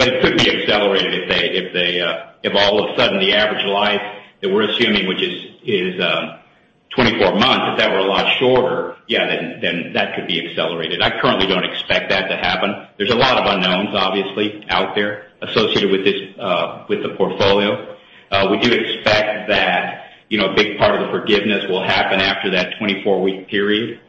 Accelerated. If all of a sudden, the average life that we're assuming, which is 24 months, if that were a lot shorter, yeah, that could be accelerated. I currently don't expect that to happen. There's a lot of unknowns, obviously, out there associated with the portfolio. We do expect that a big part of the forgiveness will happen after that 24-week period.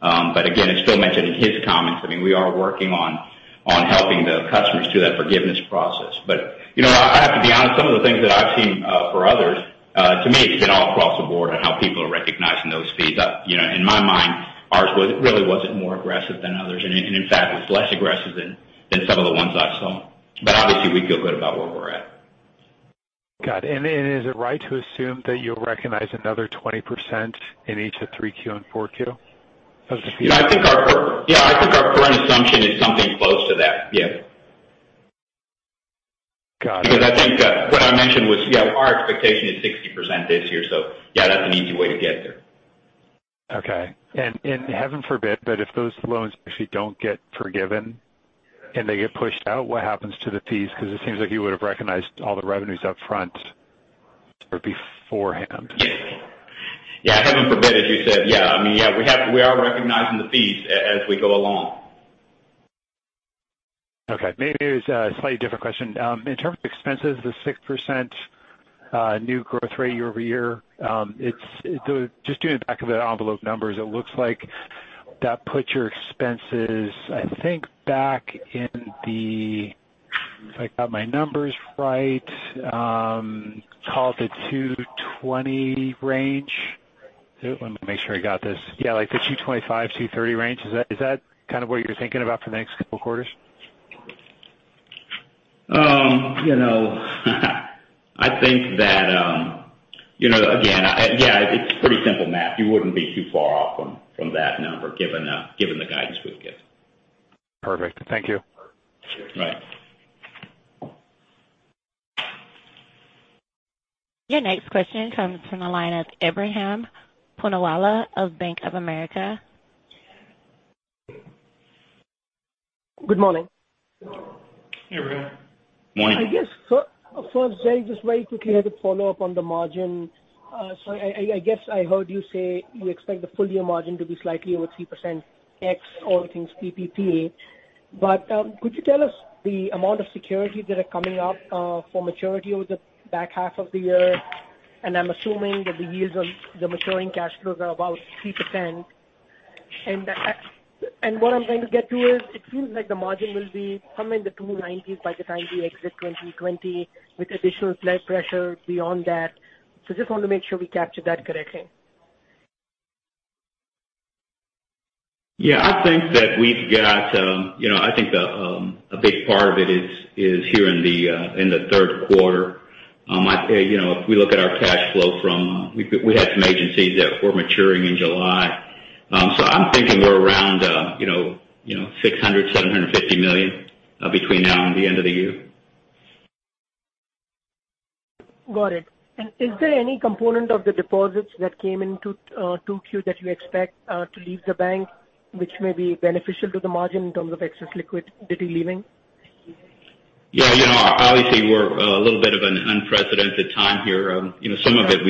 Again, as Phil mentioned in his comments, we are working on helping the customers through that forgiveness process. I have to be honest, some of the things that I've seen for others, to me, it's been all across the board on how people are recognizing those fees. In my mind, ours really wasn't more aggressive than others. In fact, ours was less aggressive than some of the ones I saw. Obviously, we feel good about where we're at. Got it. Is it right to assume that you'll recognize another 20% in each of 3Q and 4Q of the fees? Yeah, I think our current assumption is something close to that. Yeah. Got it. I think what I mentioned was our expectation is 60% this year, so yeah, that's an easy way to get there. Okay. Heaven forbid, if those loans actually don't get forgiven and they get pushed out, what happens to the fees? Because it seems like you would have recognized all the revenues up front or beforehand. Yeah. Heaven forbid, as you said. Yeah. We are recognizing the fees as we go along. Maybe it is a slightly different question. In terms of expenses, the 6% new growth rate year-over-year, just doing the back of the envelope numbers, it looks like that put your expenses, I think, back in the, if I got my numbers right, call it the $220 range. Let me make sure I got this. Yeah, like the $225-$230 range. Is that kind of what you're thinking about for the next couple of quarters? I think that, again it's pretty simple math. You wouldn't be too far off from that number, given the guidance we've given. Perfect. Thank you. Sure. Bye. Your next question comes from the line of Ebrahim Poonawala of Bank of America. Good morning. Hey, Ebrahim. I guess, first, Jerry, just very quickly, I have a follow-up on the margin. I guess I heard you say you expect the full-year margin to be slightly over 3% ex all things PPP. Could you tell us the amount of securities that are coming up for maturity over the back half of the year? I'm assuming that the yields on the maturing cash flows are about 3%. What I'm trying to get to is, it seems like the margin will be somewhere in the 290s by the time we exit 2020 with additional pressure beyond that. Just want to make sure we capture that correctly. Yeah, I think a big part of it is here in the third quarter. If we look at our cash flow, we had some agencies that were maturing in July. I'm thinking we're around $600, $750 million between now and the end of the year. Got it. Is there any component of the deposits that came into 2Q that you expect to leave the bank, which may be beneficial to the margin in terms of excess liquidity leaving? Yeah, obviously, we're a little bit of an unprecedented time here. Some of the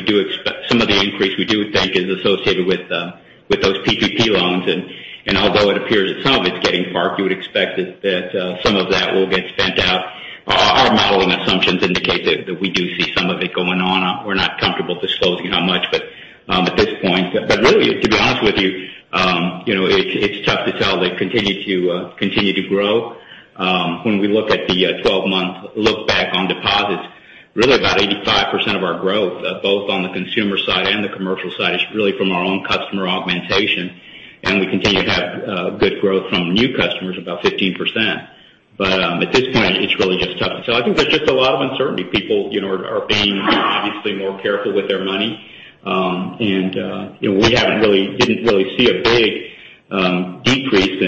increase we do think is associated with those PPP loans. Although it appears that some of it's getting parked, you would expect that some of that will get spent out. Our modeling assumptions indicate that we do see some of it going on. We're not comfortable disclosing how much at this point. Really, to be honest with you, it's tough to tell. They continue to grow. When we look at the 12-month look back on deposits, really about 85% of our growth both on the consumer side and the commercial side is really from our own customer augmentation, and we continue to have good growth from new customers, about 15%. At this point, it's really just tough to tell. I think there's just a lot of uncertainty. People are being, obviously, more careful with their money. We didn't really see a big decrease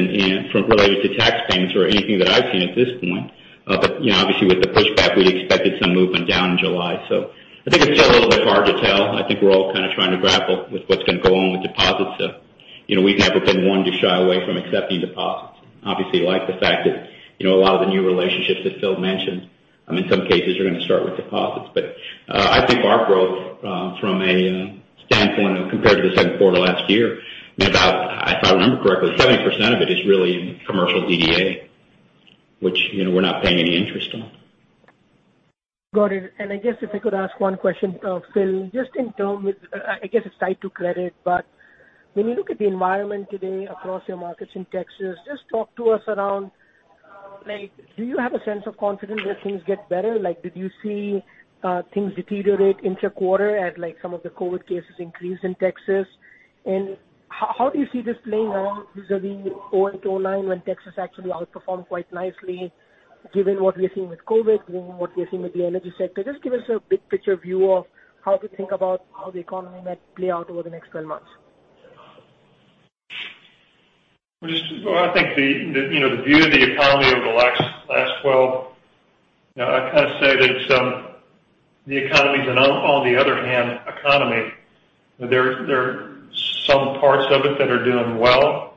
related to tax payments or anything that I've seen at this point. Obviously, with the pushback, we'd expected some movement down in July. I think it's still a little bit hard to tell. I think we're all kind of trying to grapple with what's going to go on with deposits. We've never been one to shy away from accepting deposits. Obviously, you like the fact that a lot of the new relationships that Phil mentioned, in some cases, are going to start with deposits. I think our growth from a standpoint of compared to the second quarter last year, if I remember correctly, 70% of it is really in commercial DDA, which we're not paying any interest on. Got it. I guess if I could ask one question of Phil. I guess it's tied to credit, but when you look at the environment today across your markets in Texas, just talk to us around, do you have a sense of confidence that things get better? Did you see things deteriorate inter-quarter as some of the COVID cases increased in Texas? How do you see this playing along vis-a-vis O&G decline when Texas actually outperformed quite nicely given what we're seeing with COVID, given what we're seeing with the energy sector? Just give us a big picture view of how to think about how the economy might play out over the next 12 months. I think the view of the economy over the last 12 months. The economy is an on the other hand economy. There are some parts of it that are doing well.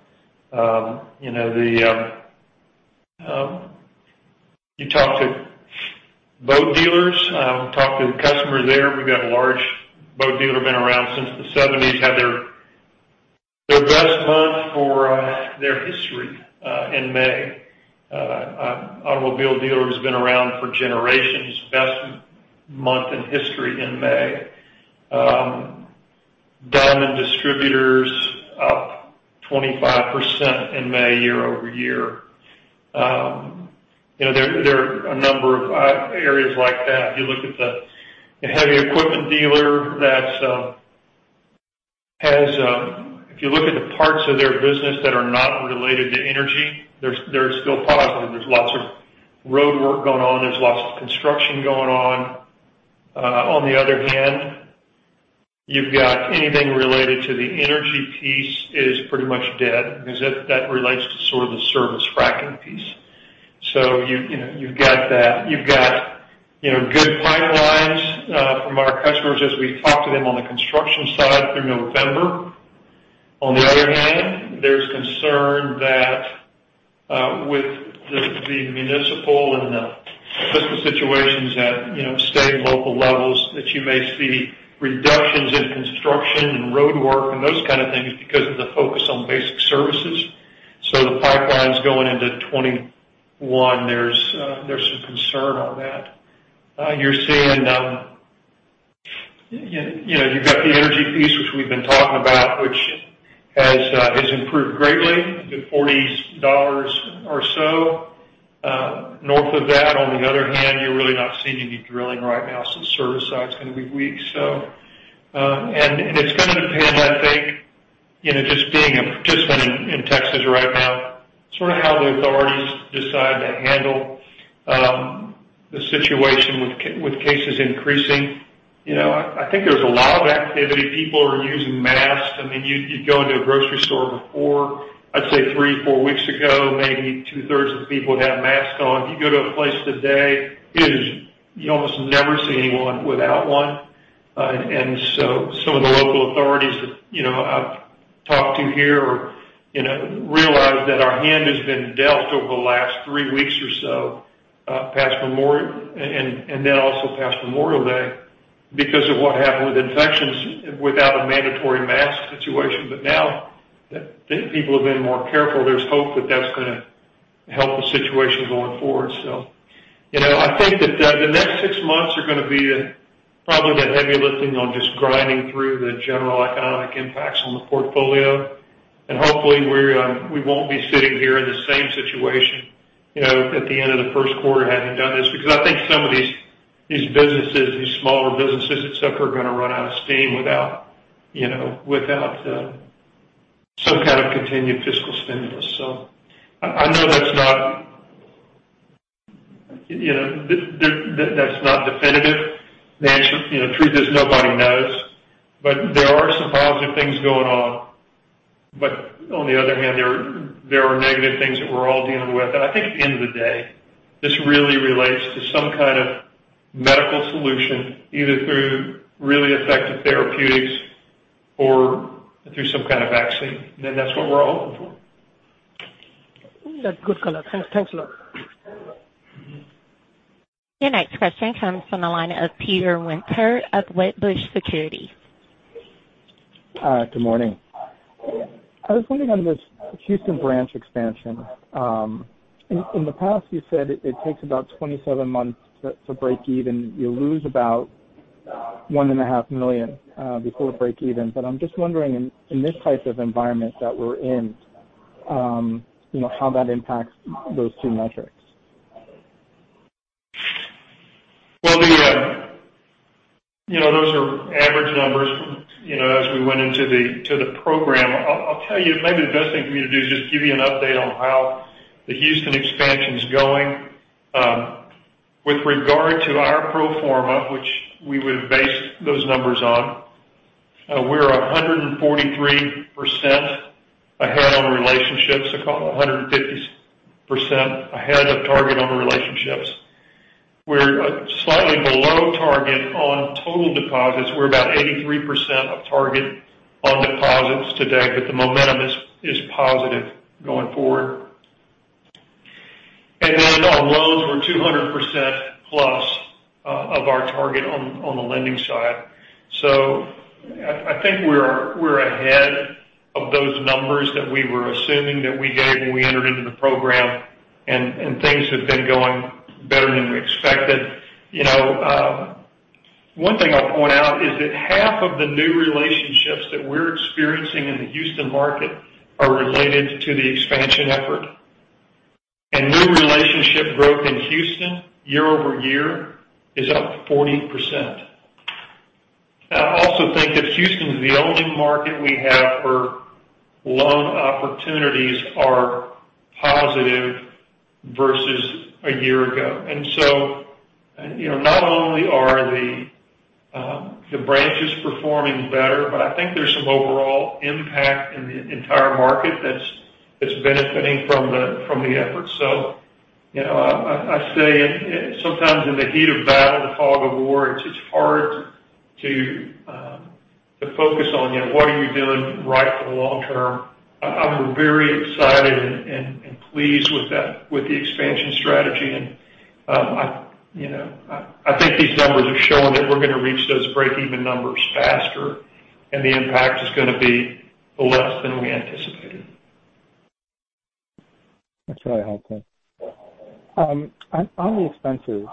You talk to boat dealers, talk to customers there. We've got a large boat dealer, been around since the 1970s, had their best month for their history in May. Automobile dealer who's been around for generations, best month in history in May. Diamond distributors up 25% in May, year-over-year. There are a number of areas like that. If you look at the heavy equipment dealer, if you look at the parts of their business that are not related to energy, they're still positive. There's lots of roadwork going on. There's lots of construction going on. On the other hand, you've got anything related to the energy piece is pretty much dead because that relates to sort of the service fracking piece. You've got good pipelines from our customers as we talk to them on the construction side through November. On the other hand, there's concern that with the municipal and the fiscal situations at state and local levels, that you may see reductions in construction and roadwork and those kind of things because of the focus on basic services. The pipelines going into 2021, there's some concern on that. You've got the energy piece, which we've been talking about, which has improved greatly to $40 or so. North of that, on the other hand, you're really not seeing any drilling right now, so the service side's going to be weak. It's going to depend, I think, just being a participant in Texas right now, sort of how the authorities decide to handle the situation with cases increasing. I think there's a lot of activity. People are using masks. You'd go into a grocery store before, I'd say three, four weeks ago, maybe two-thirds of people would have masks on. If you go to a place today, you almost never see anyone without one. Some of the local authorities that I've talked to here realize that our hand has been dealt over the last three weeks or so, and then also past Memorial Day, because of what happened with infections without a mandatory mask situation. Now that people have been more careful, there's hope that that's going to help the situation going forward. I think that the next six months are going to be probably the heavy lifting on just grinding through the general economic impacts on the portfolio. Hopefully, we won't be sitting here in the same situation at the end of the first quarter having done this, because I think some of these smaller businesses, et cetera, are going to run out of steam without some kind of continued fiscal stimulus. I know that's not definitive. Truth is, nobody knows. There are some positive things going on. On the other hand, there are negative things that we're all dealing with. I think at the end of the day, this really relates to some kind of medical solution, either through really effective therapeutics or through some kind of vaccine. That's what we're all hoping for. That's good, Cullen. Thanks a lot. Your next question comes from the line of Peter Winter of Wedbush Securities. Good morning. I was wondering on this Houston branch expansion. In the past, you said it takes about 27 months to break even. You lose about $1.5 Million before it breaks even. I'm just wondering in this type of environment that we're in, how that impacts those two metrics. Well, those are average numbers as we went into the program. I'll tell you, maybe the best thing for me to do is just give you an update on how the Houston expansion's going. With regard to our pro forma, which we would have based those numbers on, we're 143% ahead on relationships, 150% ahead of target on relationships. We're slightly below target on total deposits. We're about 83% of target on deposits today, the momentum is positive going forward. On loans, we're 200%+ of our target on the lending side. I think we're ahead of those numbers that we were assuming that we gave when we entered into the program, and things have been going better than we expected. One thing I'll point out is that half of the new relationships that we're experiencing in the Houston market are related to the expansion effort. New relationship growth in Houston year-over-year is up 40%. I also think that Houston's the only market we have where loan opportunities are positive versus a year ago. Not only are the branch performing better, but I think there's some overall impact in the entire market that's benefiting from the efforts. I say sometimes in the heat of battle, the fog of war, it's hard to focus on what are you doing right for the long term. I'm very excited and pleased with the expansion strategy. I think these numbers are showing that we're going to reach those break-even numbers faster, and the impact is going to be less than we anticipated. That's what I hoped then. On the expenses,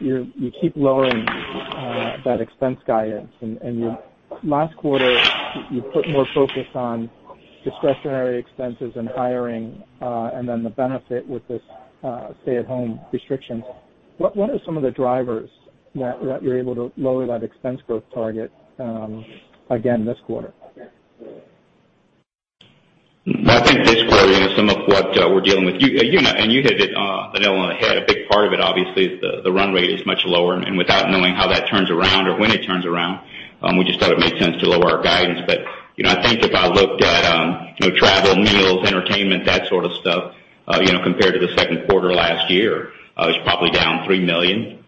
you keep lowering that expense guidance, and last quarter, you put more focus on discretionary expenses and hiring, and then the benefit with this stay-at-home restrictions. What are some of the drivers that you're able to lower that expense growth target again this quarter? I think this quarter, some of what we're dealing with, you know, and you hit the nail on the head. A big part of it, obviously, is the run rate is much lower. Without knowing how that turns around or when it turns around, we just thought it made sense to lower our guidance. I think if I looked at travel, meals, entertainment, that sort of stuff, compared to the second quarter last year, it's probably down $3 million.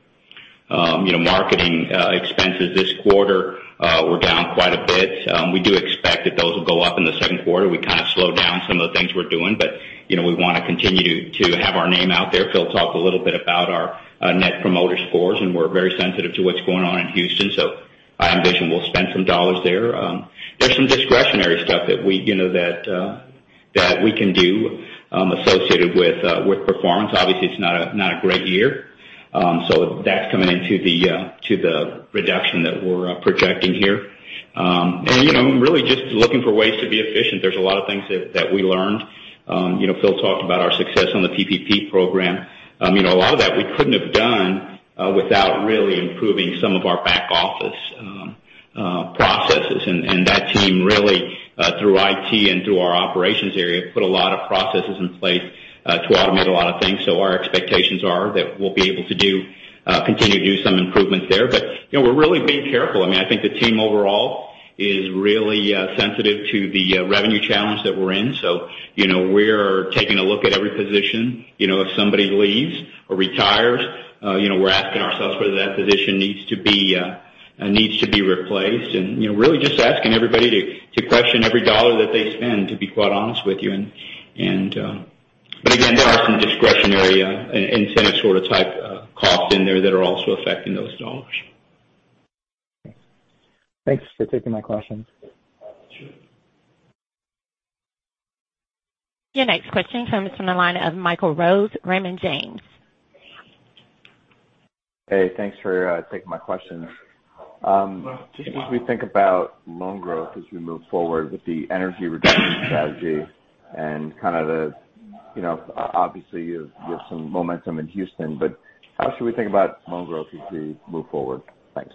Marketing expenses this quarter were down quite a bit. We do expect that those will go up in the second quarter. We kind of slowed down some of the things we're doing, but we want to continue to have our name out there. Phil talked a little bit about our Net Promoter Score, and we're very sensitive to what's going on in Houston, so I envision we'll spend some dollars there. There's some discretionary stuff that we can do associated with performance. Obviously, it's not a great year. That's coming into the reduction that we're projecting here. Really just looking for ways to be efficient. There's a lot of things that we learned. Phil talked about our success on the PPP program. A lot of that we couldn't have done without really improving some of our back-office processes. That team really, through IT and through our operations area, put a lot of processes in place to automate a lot of things. Our expectations are that we'll be able to continue to do some improvements there. We're really being careful. I think the team overall is really sensitive to the revenue challenge that we're in. We're taking a look at every position. If somebody leaves or retires, we're asking ourselves whether that position needs to be replaced and really just asking everybody to question every dollar that they spend, to be quite honest with you. Again, there are some discretionary incentive sort of type cost in there that are also affecting those dollars. Thanks for taking my questions. Sure. Your next question comes from the line of Michael Rose, Raymond James. Hey, thanks for taking my questions. Just as we think about loan growth as we move forward with the energy reduction strategy and Obviously, you have some momentum in Houston, but how should we think about loan growth as we move forward? Thanks.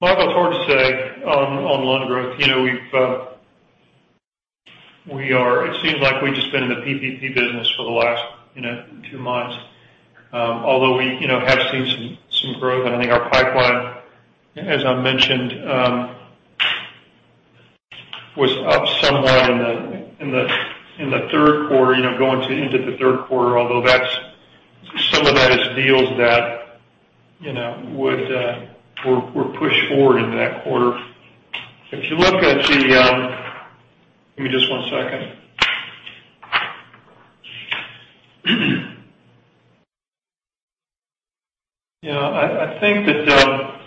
Michael, it's hard to say on loan growth. It seems like we've just been in the PPP business for the last two months. Although we have seen some growth. I think our pipeline, as I mentioned, was up somewhat in the third quarter, going into the third quarter, although some of that is deals that were pushed forward into that quarter. If you look at the Give me just one second. I think that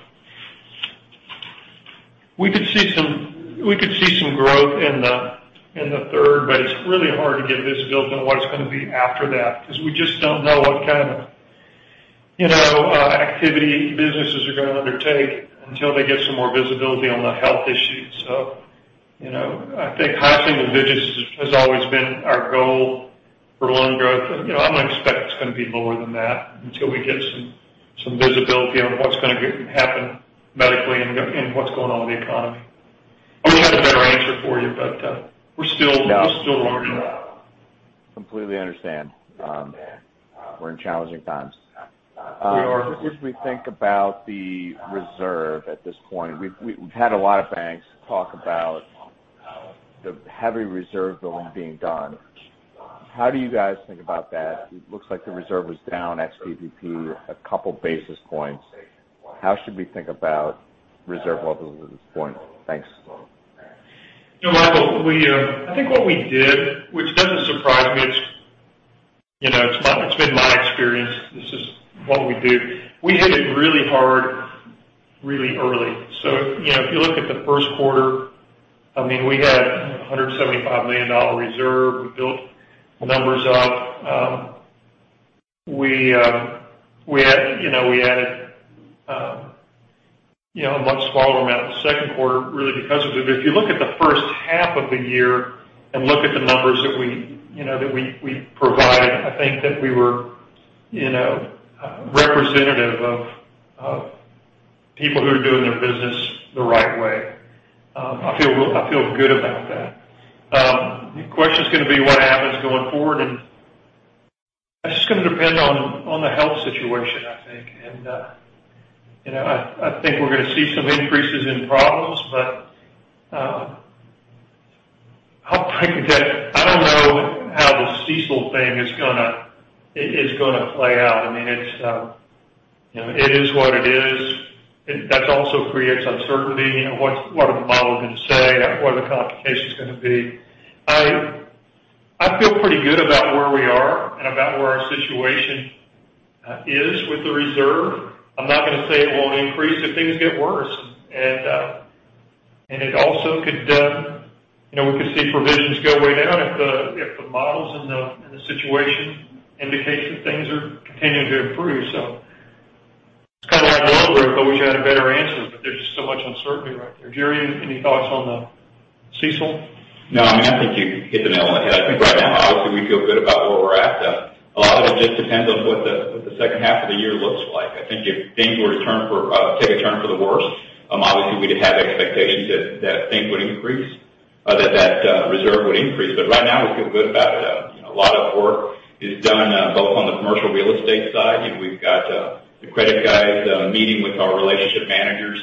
we could see some growth in the third, but it's really hard to get visibility on what it's going to be after that because we just don't know what kind of activity businesses are going to undertake until they get some more visibility on the health issue. I think high single digits has always been our goal for loan growth. I'm going to expect it's going to be lower than that until we get some visibility on what's going to happen medically and what's going on with the economy. I would have a better answer for you, we're still long term. No. Completely understand. We're in challenging times. We are. Just as we think about the reserve at this point, we've had a lot of banks talk about the heavy reserve building being done. How do you guys think about that? It looks like the reserve was down, excluding PPP, a couple basis points. How should we think about reserve levels at this point? Thanks. Michael, I think what we did, which doesn't surprise me, it's been my experience. This is what we do. We hit it really hard, really early. If you look at the first quarter, we had $175 million reserve. We built the numbers up. We added a much smaller amount in the second quarter, really because of it. If you look at the first half of the year and look at the numbers that we provided, I think that we were representative of people who are doing their business the right way. I feel good about that. The question's going to be what happens going forward, and that's just going to depend on the health situation, I think. I think we're going to see some increases in problems, but I'll break it down. I don't know how the CECL thing is going to play out. It is what it is. That also creates uncertainty. What are the models going to say? What are the complications going to be? I feel pretty good about where we are and about where our situation is with the reserve. I'm not going to say it won't increase if things get worse. We could see provisions go way down if the models and the situation indicate that things are continuing to improve. It's kind of like the oil group. I wish I had a better answer, but there's just so much uncertainty right there. Jerry, any thoughts on the CECL? No, I think you hit the nail on the head. I think right now, obviously, we feel good about where we're at. A lot of it just depends on what the second half of the year looks like. I think if things were to take a turn for the worse, obviously, we'd have expectations that reserve would increase. Right now, we feel good about it. A lot of work is done both on the commercial real estate side, and we've got the credit guys meeting with our relationship managers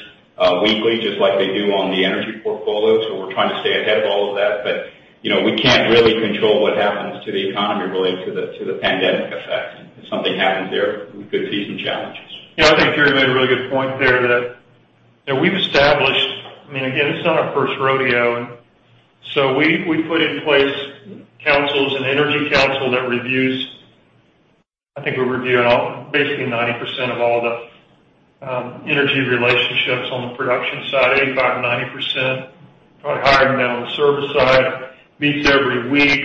weekly, just like they do on the energy portfolio. We're trying to stay ahead of all of that. We can't really control what happens to the economy related to the pandemic effects. If something happens there, we could see some challenges. Yeah, I think Jerry made a really good point there that we've established. Again, it's not our first rodeo. We put in place councils, an energy council that reviews. I think we're reviewing basically 90% of all the energy relationships on the production side, 85%, 90%, probably higher now on the service side. Meets every week.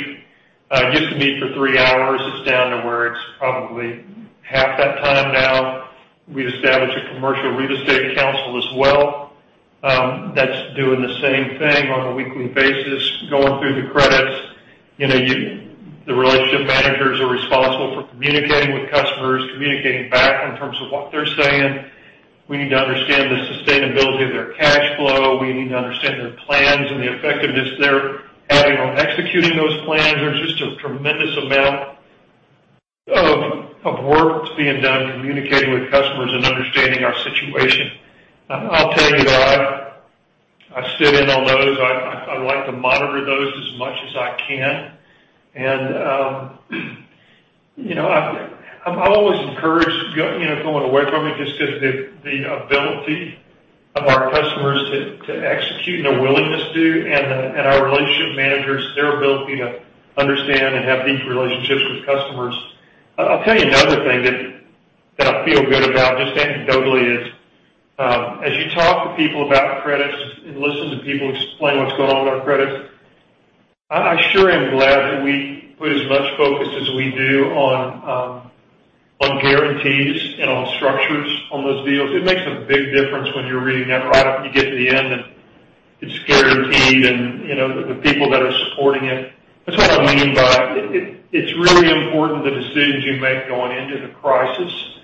Used to meet for three hours. It's down to where it's probably half that time now. We've established a commercial real estate council as well. That's doing the same thing on a weekly basis, going through the credits. The relationship managers are responsible for communicating with customers, communicating back in terms of what they're saying. We need to understand the sustainability of their cash flow. We need to understand their plans and the effectiveness they're having on executing those plans. There's just a tremendous amount of work that's being done communicating with customers and understanding our situation. I'll tell you that I sit in on those. I like to monitor those as much as I can. I've always encouraged going away from it just because the ability of our customers to execute and a willingness to, and our relationship managers, their ability to understand and have deep relationships with customers. I'll tell you another thing that I feel good about, just anecdotally, is as you talk to people about credits and listen to people explain what's going on with our credits, I sure am glad that we put as much focus as we do on guarantees and on structures on those deals. It makes a big difference when you're reading that write-up, and you get to the end, and it's guaranteed, and the people that are supporting it. That's what I mean by it's really important the decisions you make going into the crisis,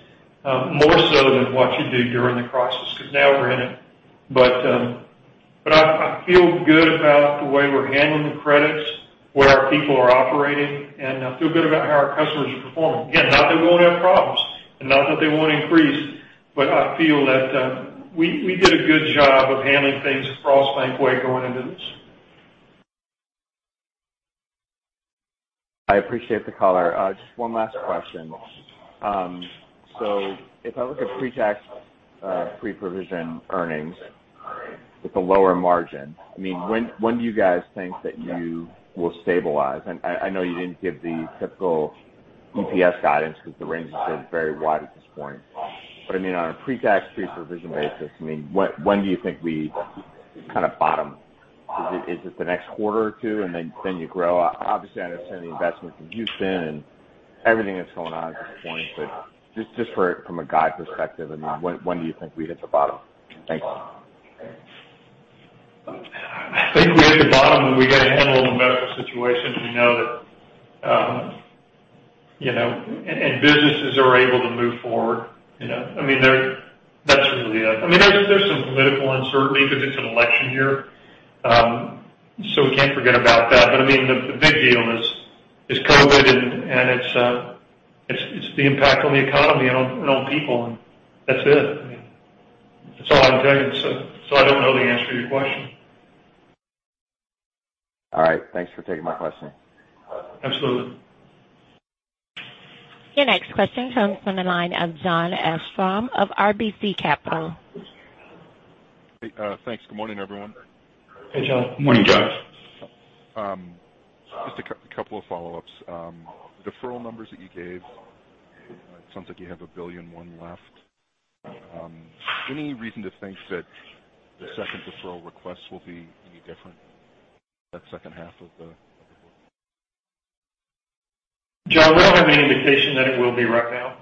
more so than what you do during the crisis, because now we're in it. I feel good about the way we're handling the credits, where our people are operating, and I feel good about how our customers are performing. Again, not that we won't have problems, and not that they won't increase, I feel that we did a good job of handling things the Frost Bank way going into this. I appreciate the color. Just one last question. If I look at pre-tax, pre-provision earnings with a lower margin, when do you guys think that you will stabilize? I know you didn't give the typical EPS guidance because the range is very wide at this point. On a pre-tax, pre-provision basis, when do you think we kind of bottom? Is it the next quarter or two, and then you grow? Obviously, I understand the investments in Houston and everything that's going on at this point. Just from a guide perspective, when do you think we hit the bottom? Thanks. I think we hit the bottom when we get a handle on the medical situation, and businesses are able to move forward. That's really it. There's some political uncertainty because it's an election year, we can't forget about that. The big deal is COVID, and it's the impact on the economy and on people, and that's it. That's all I can tell you. I don't know the answer to your question. All right. Thanks for taking my question. Absolutely. Your next question comes from the line of Jon Arfstrom of RBC Capital Markets. Hey. Thanks. Good morning, everyone. Hey, Jon. Morning, Jon. Just a couple of follow-ups. Deferral numbers that you gave, it sounds like you have $1.1 billion left. Any reason to think that the second deferral requests will be any different that second half of the quarter? Jon, we do not have any indication that it will be right now.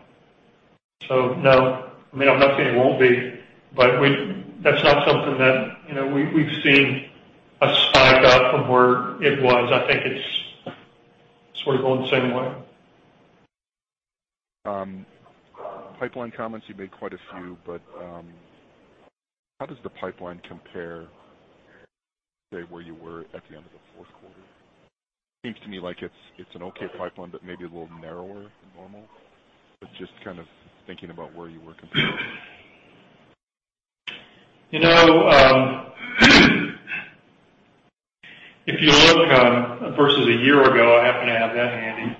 No. I mean, I am not saying it will not be, but that is not something that we have seen a spike up from where it was. I think it is sort of going the same way. Pipeline comments, you made quite a few, how does the pipeline compare to where you were at the end of the fourth quarter? Seems to me like it's an okay pipeline, but maybe a little narrower than normal, just kind of thinking about where you were compared. If you look versus a year ago, I happen to have that handy.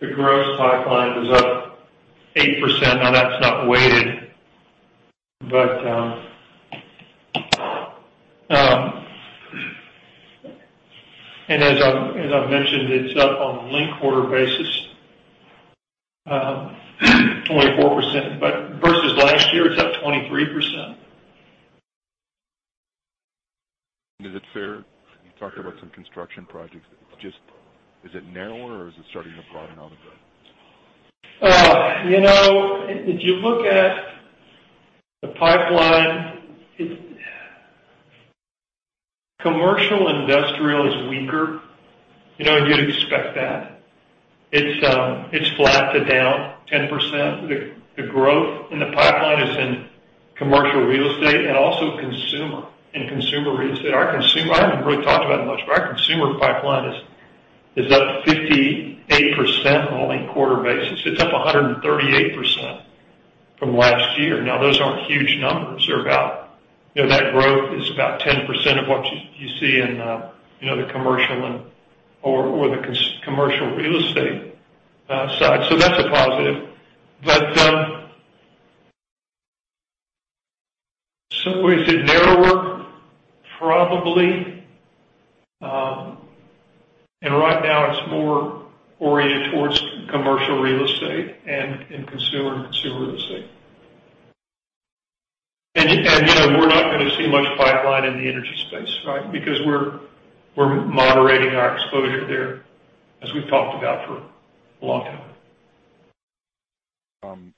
The gross pipeline is up 8%. That's not weighted, and as I've mentioned, it's up on a linked quarter basis, 24%, but versus last year, it's up 23%. Is it fair, you talked about some construction projects, is it narrower or is it starting to broaden out a bit? If you look at the pipeline, commercial industrial is weaker. You'd expect that. It's flat to down 10%. The growth in the pipeline is in commercial real estate and also consumer and consumer real estate. Our consumer pipeline is up 58% on a linked quarter basis. It's up 138% from last year. Those aren't huge numbers. That growth is about 10% of what you see in the commercial or the commercial real estate side. That's a positive. Is it narrower? Probably. Right now, it's more oriented towards commercial real estate and in consumer and consumer real estate. We're not going to see much pipeline in the energy space, right? Because we're moderating our exposure there, as we've talked about for a long time.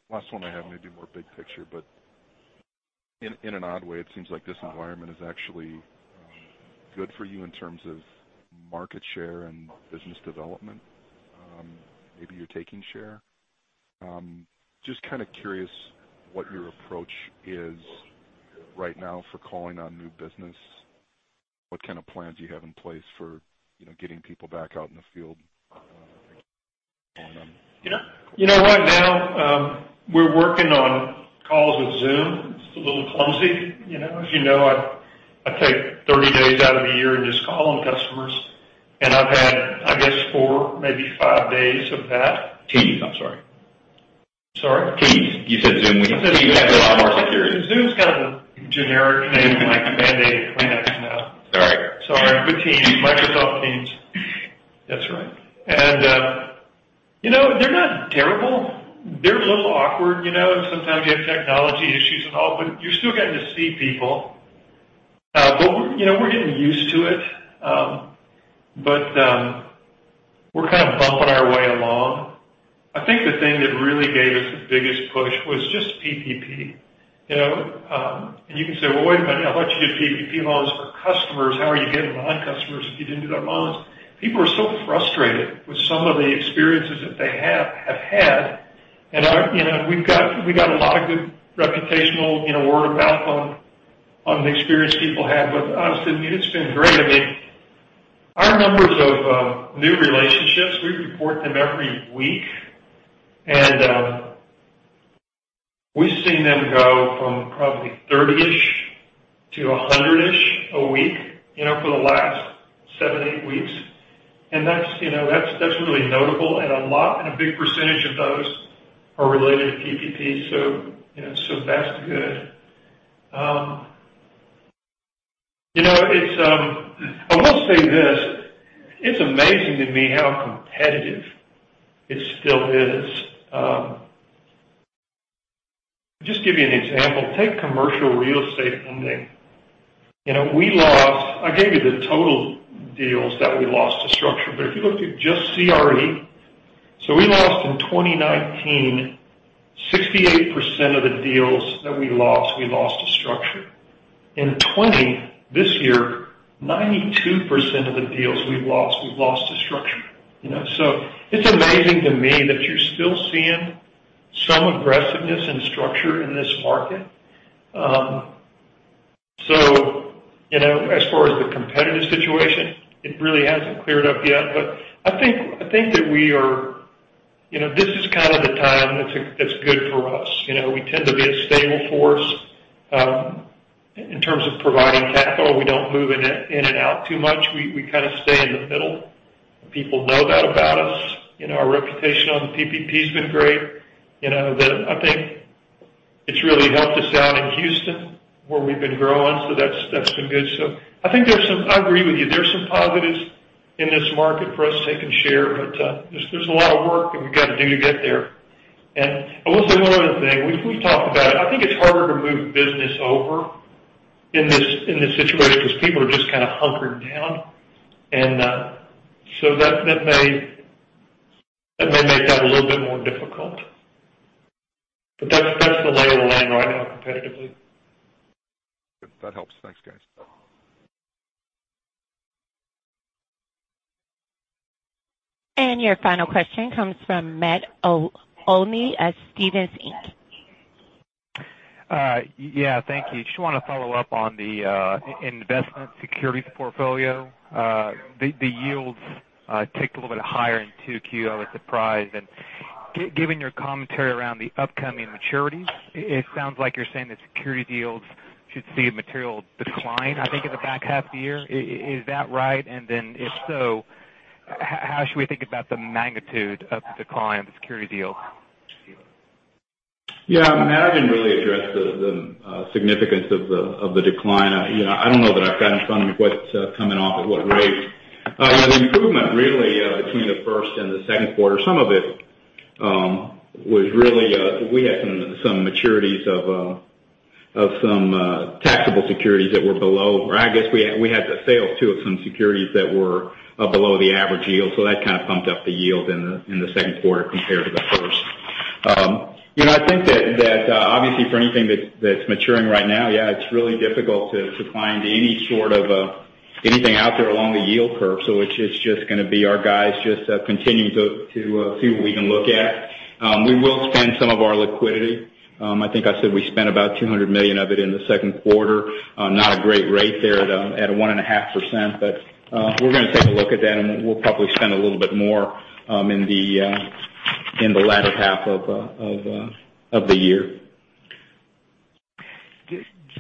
Last one I have maybe more big picture, but in an odd way, it seems like this environment is actually good for you in terms of market share and business development. Maybe you're taking share. Just kind of curious what your approach is right now for calling on new business. What kind of plans you have in place for getting people back out in the field going on. Right now, we're working on calls with Zoom. It's a little clumsy. As you know, I take 30 days out of the year and just call on customers, and I've had, I guess, four, maybe five days of that. Teams, I'm sorry. Sorry? Teams. You said Zoom. Teams has a lot more security. Zoom's kind of a generic name like Band-Aid and Kleenex now. Sorry. Sorry. Good teams. Microsoft Teams. That's right. They're not terrible. They're a little awkward, and sometimes you have technology issues and all, but you're still getting to see people. We're getting used to it. We're kind of bumping our way along. I think the thing that really gave us the biggest push was just PPP. You can say, "Well, wait a minute. I thought you did PPP loans for customers. How are you getting non-customers if you didn't do their loans?" People are so frustrated with some of the experiences that they have had. We've got a lot of good reputational word of mouth on the experience people had with us, and it's been great. Our numbers of new relationships, we report them every week. We've seen them go from probably 30-ish to 100-ish a week for the last seven, eight weeks. That's really notable. A big percentage of those are related to PPP. That's good. I will say this, it's amazing to me how competitive it still is. Just give you an example. Take commercial real estate funding. I gave you the total deals that we lost to structure. If you look at just CRE, we lost in 2019, 68% of the deals that we lost, we lost to structure. In 2020, this year, 92% of the deals we've lost, we've lost to structure. It's amazing to me that you're still seeing some aggressiveness and structure in this market. As far as the competitive situation, it really hasn't cleared up yet, but I think that this is kind of the time that's good for us. We tend to be a stable force in terms of providing capital. We don't move in and out too much. We kind of stay in the middle. People know that about us. Our reputation on PPP has been great. I think it's really helped us out in Houston where we've been growing, so that's been good. I agree with you. There's some positives in this market for us taking share, but there's a lot of work that we've got to do to get there. I will say one other thing. We've talked about it. I think it's harder to move business over in this situation because people are just kind of hunkered down. That may make that a little bit more difficult. That's the lay of the land right now competitively. That helps. Thanks, guys. Your final question comes from Matt Olney of Stephens Inc. Yeah. Thank you. Just want to follow up on the investment securities portfolio. The yields ticked a little bit higher in 2Q. I was surprised. Given your commentary around the upcoming maturities, it sounds like you're saying that security yields should see a material decline, I think, in the back half of the year. Is that right? If so, how should we think about the magnitude of the decline of the security yield? Yeah. Matt, I didn't really address the significance of the decline. I don't know that I've got in front of me what's coming off at what rate. The improvement, really, between the first and the second quarter, some of it was really, we had some maturities of some taxable securities that were below. I guess we had the sales, too, of some securities that were below the average yield. That kind of bumped up the yield in the second quarter compared to the first. I think that, obviously, for anything that's maturing right now, yeah, it's really difficult to find anything out there along the yield curve. It's just going to be our guys just continuing to see what we can look at. We will spend some of our liquidity. I think I said we spent about $200 million of it in the second quarter. Not a great rate there at 1.5%, but we're going to take a look at that, and we'll probably spend a little bit more in the latter half of the year.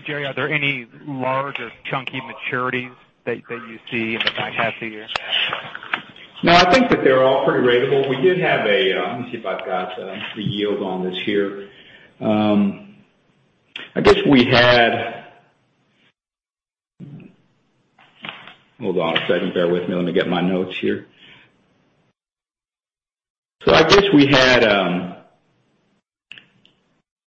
Jerry, are there any large or chunky maturities that you see in the back half of the year? No, I think that they're all pretty ratable. We did have a. Let me see if I've got the yield on this here. Hold on a second. Bear with me. Let me get my notes here. I guess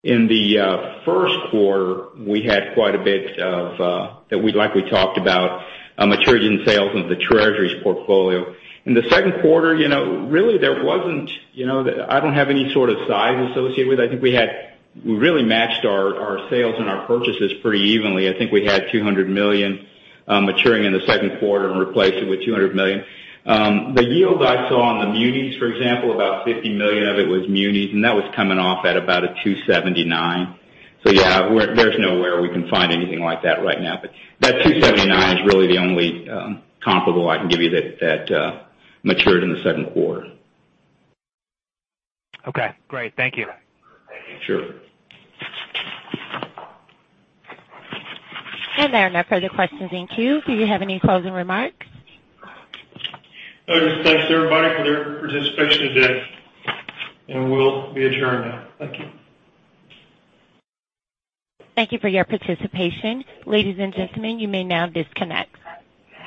in the first quarter, we had quite a bit of, that we'd likely talked about, maturity in sales into the treasuries portfolio. In the second quarter, really, I don't have any sort of size associated with it. I think we really matched our sales and our purchases pretty evenly. I think we had $200 million maturing in the second quarter and replaced it with $200 million. The yield I saw on the munis, for example, about $50 million of it was munis, and that was coming off at about a 2.79%. Yeah, there's nowhere we can find anything like that right now. That 2.79% is really the only comparable I can give you that matured in the second quarter. Okay, great. Thank you. Sure. There are no further questions in queue. Do you have any closing remarks? I just thank everybody for their participation today. We'll be adjourning now. Thank you. Thank you for your participation. Ladies and gentlemen, you may now disconnect.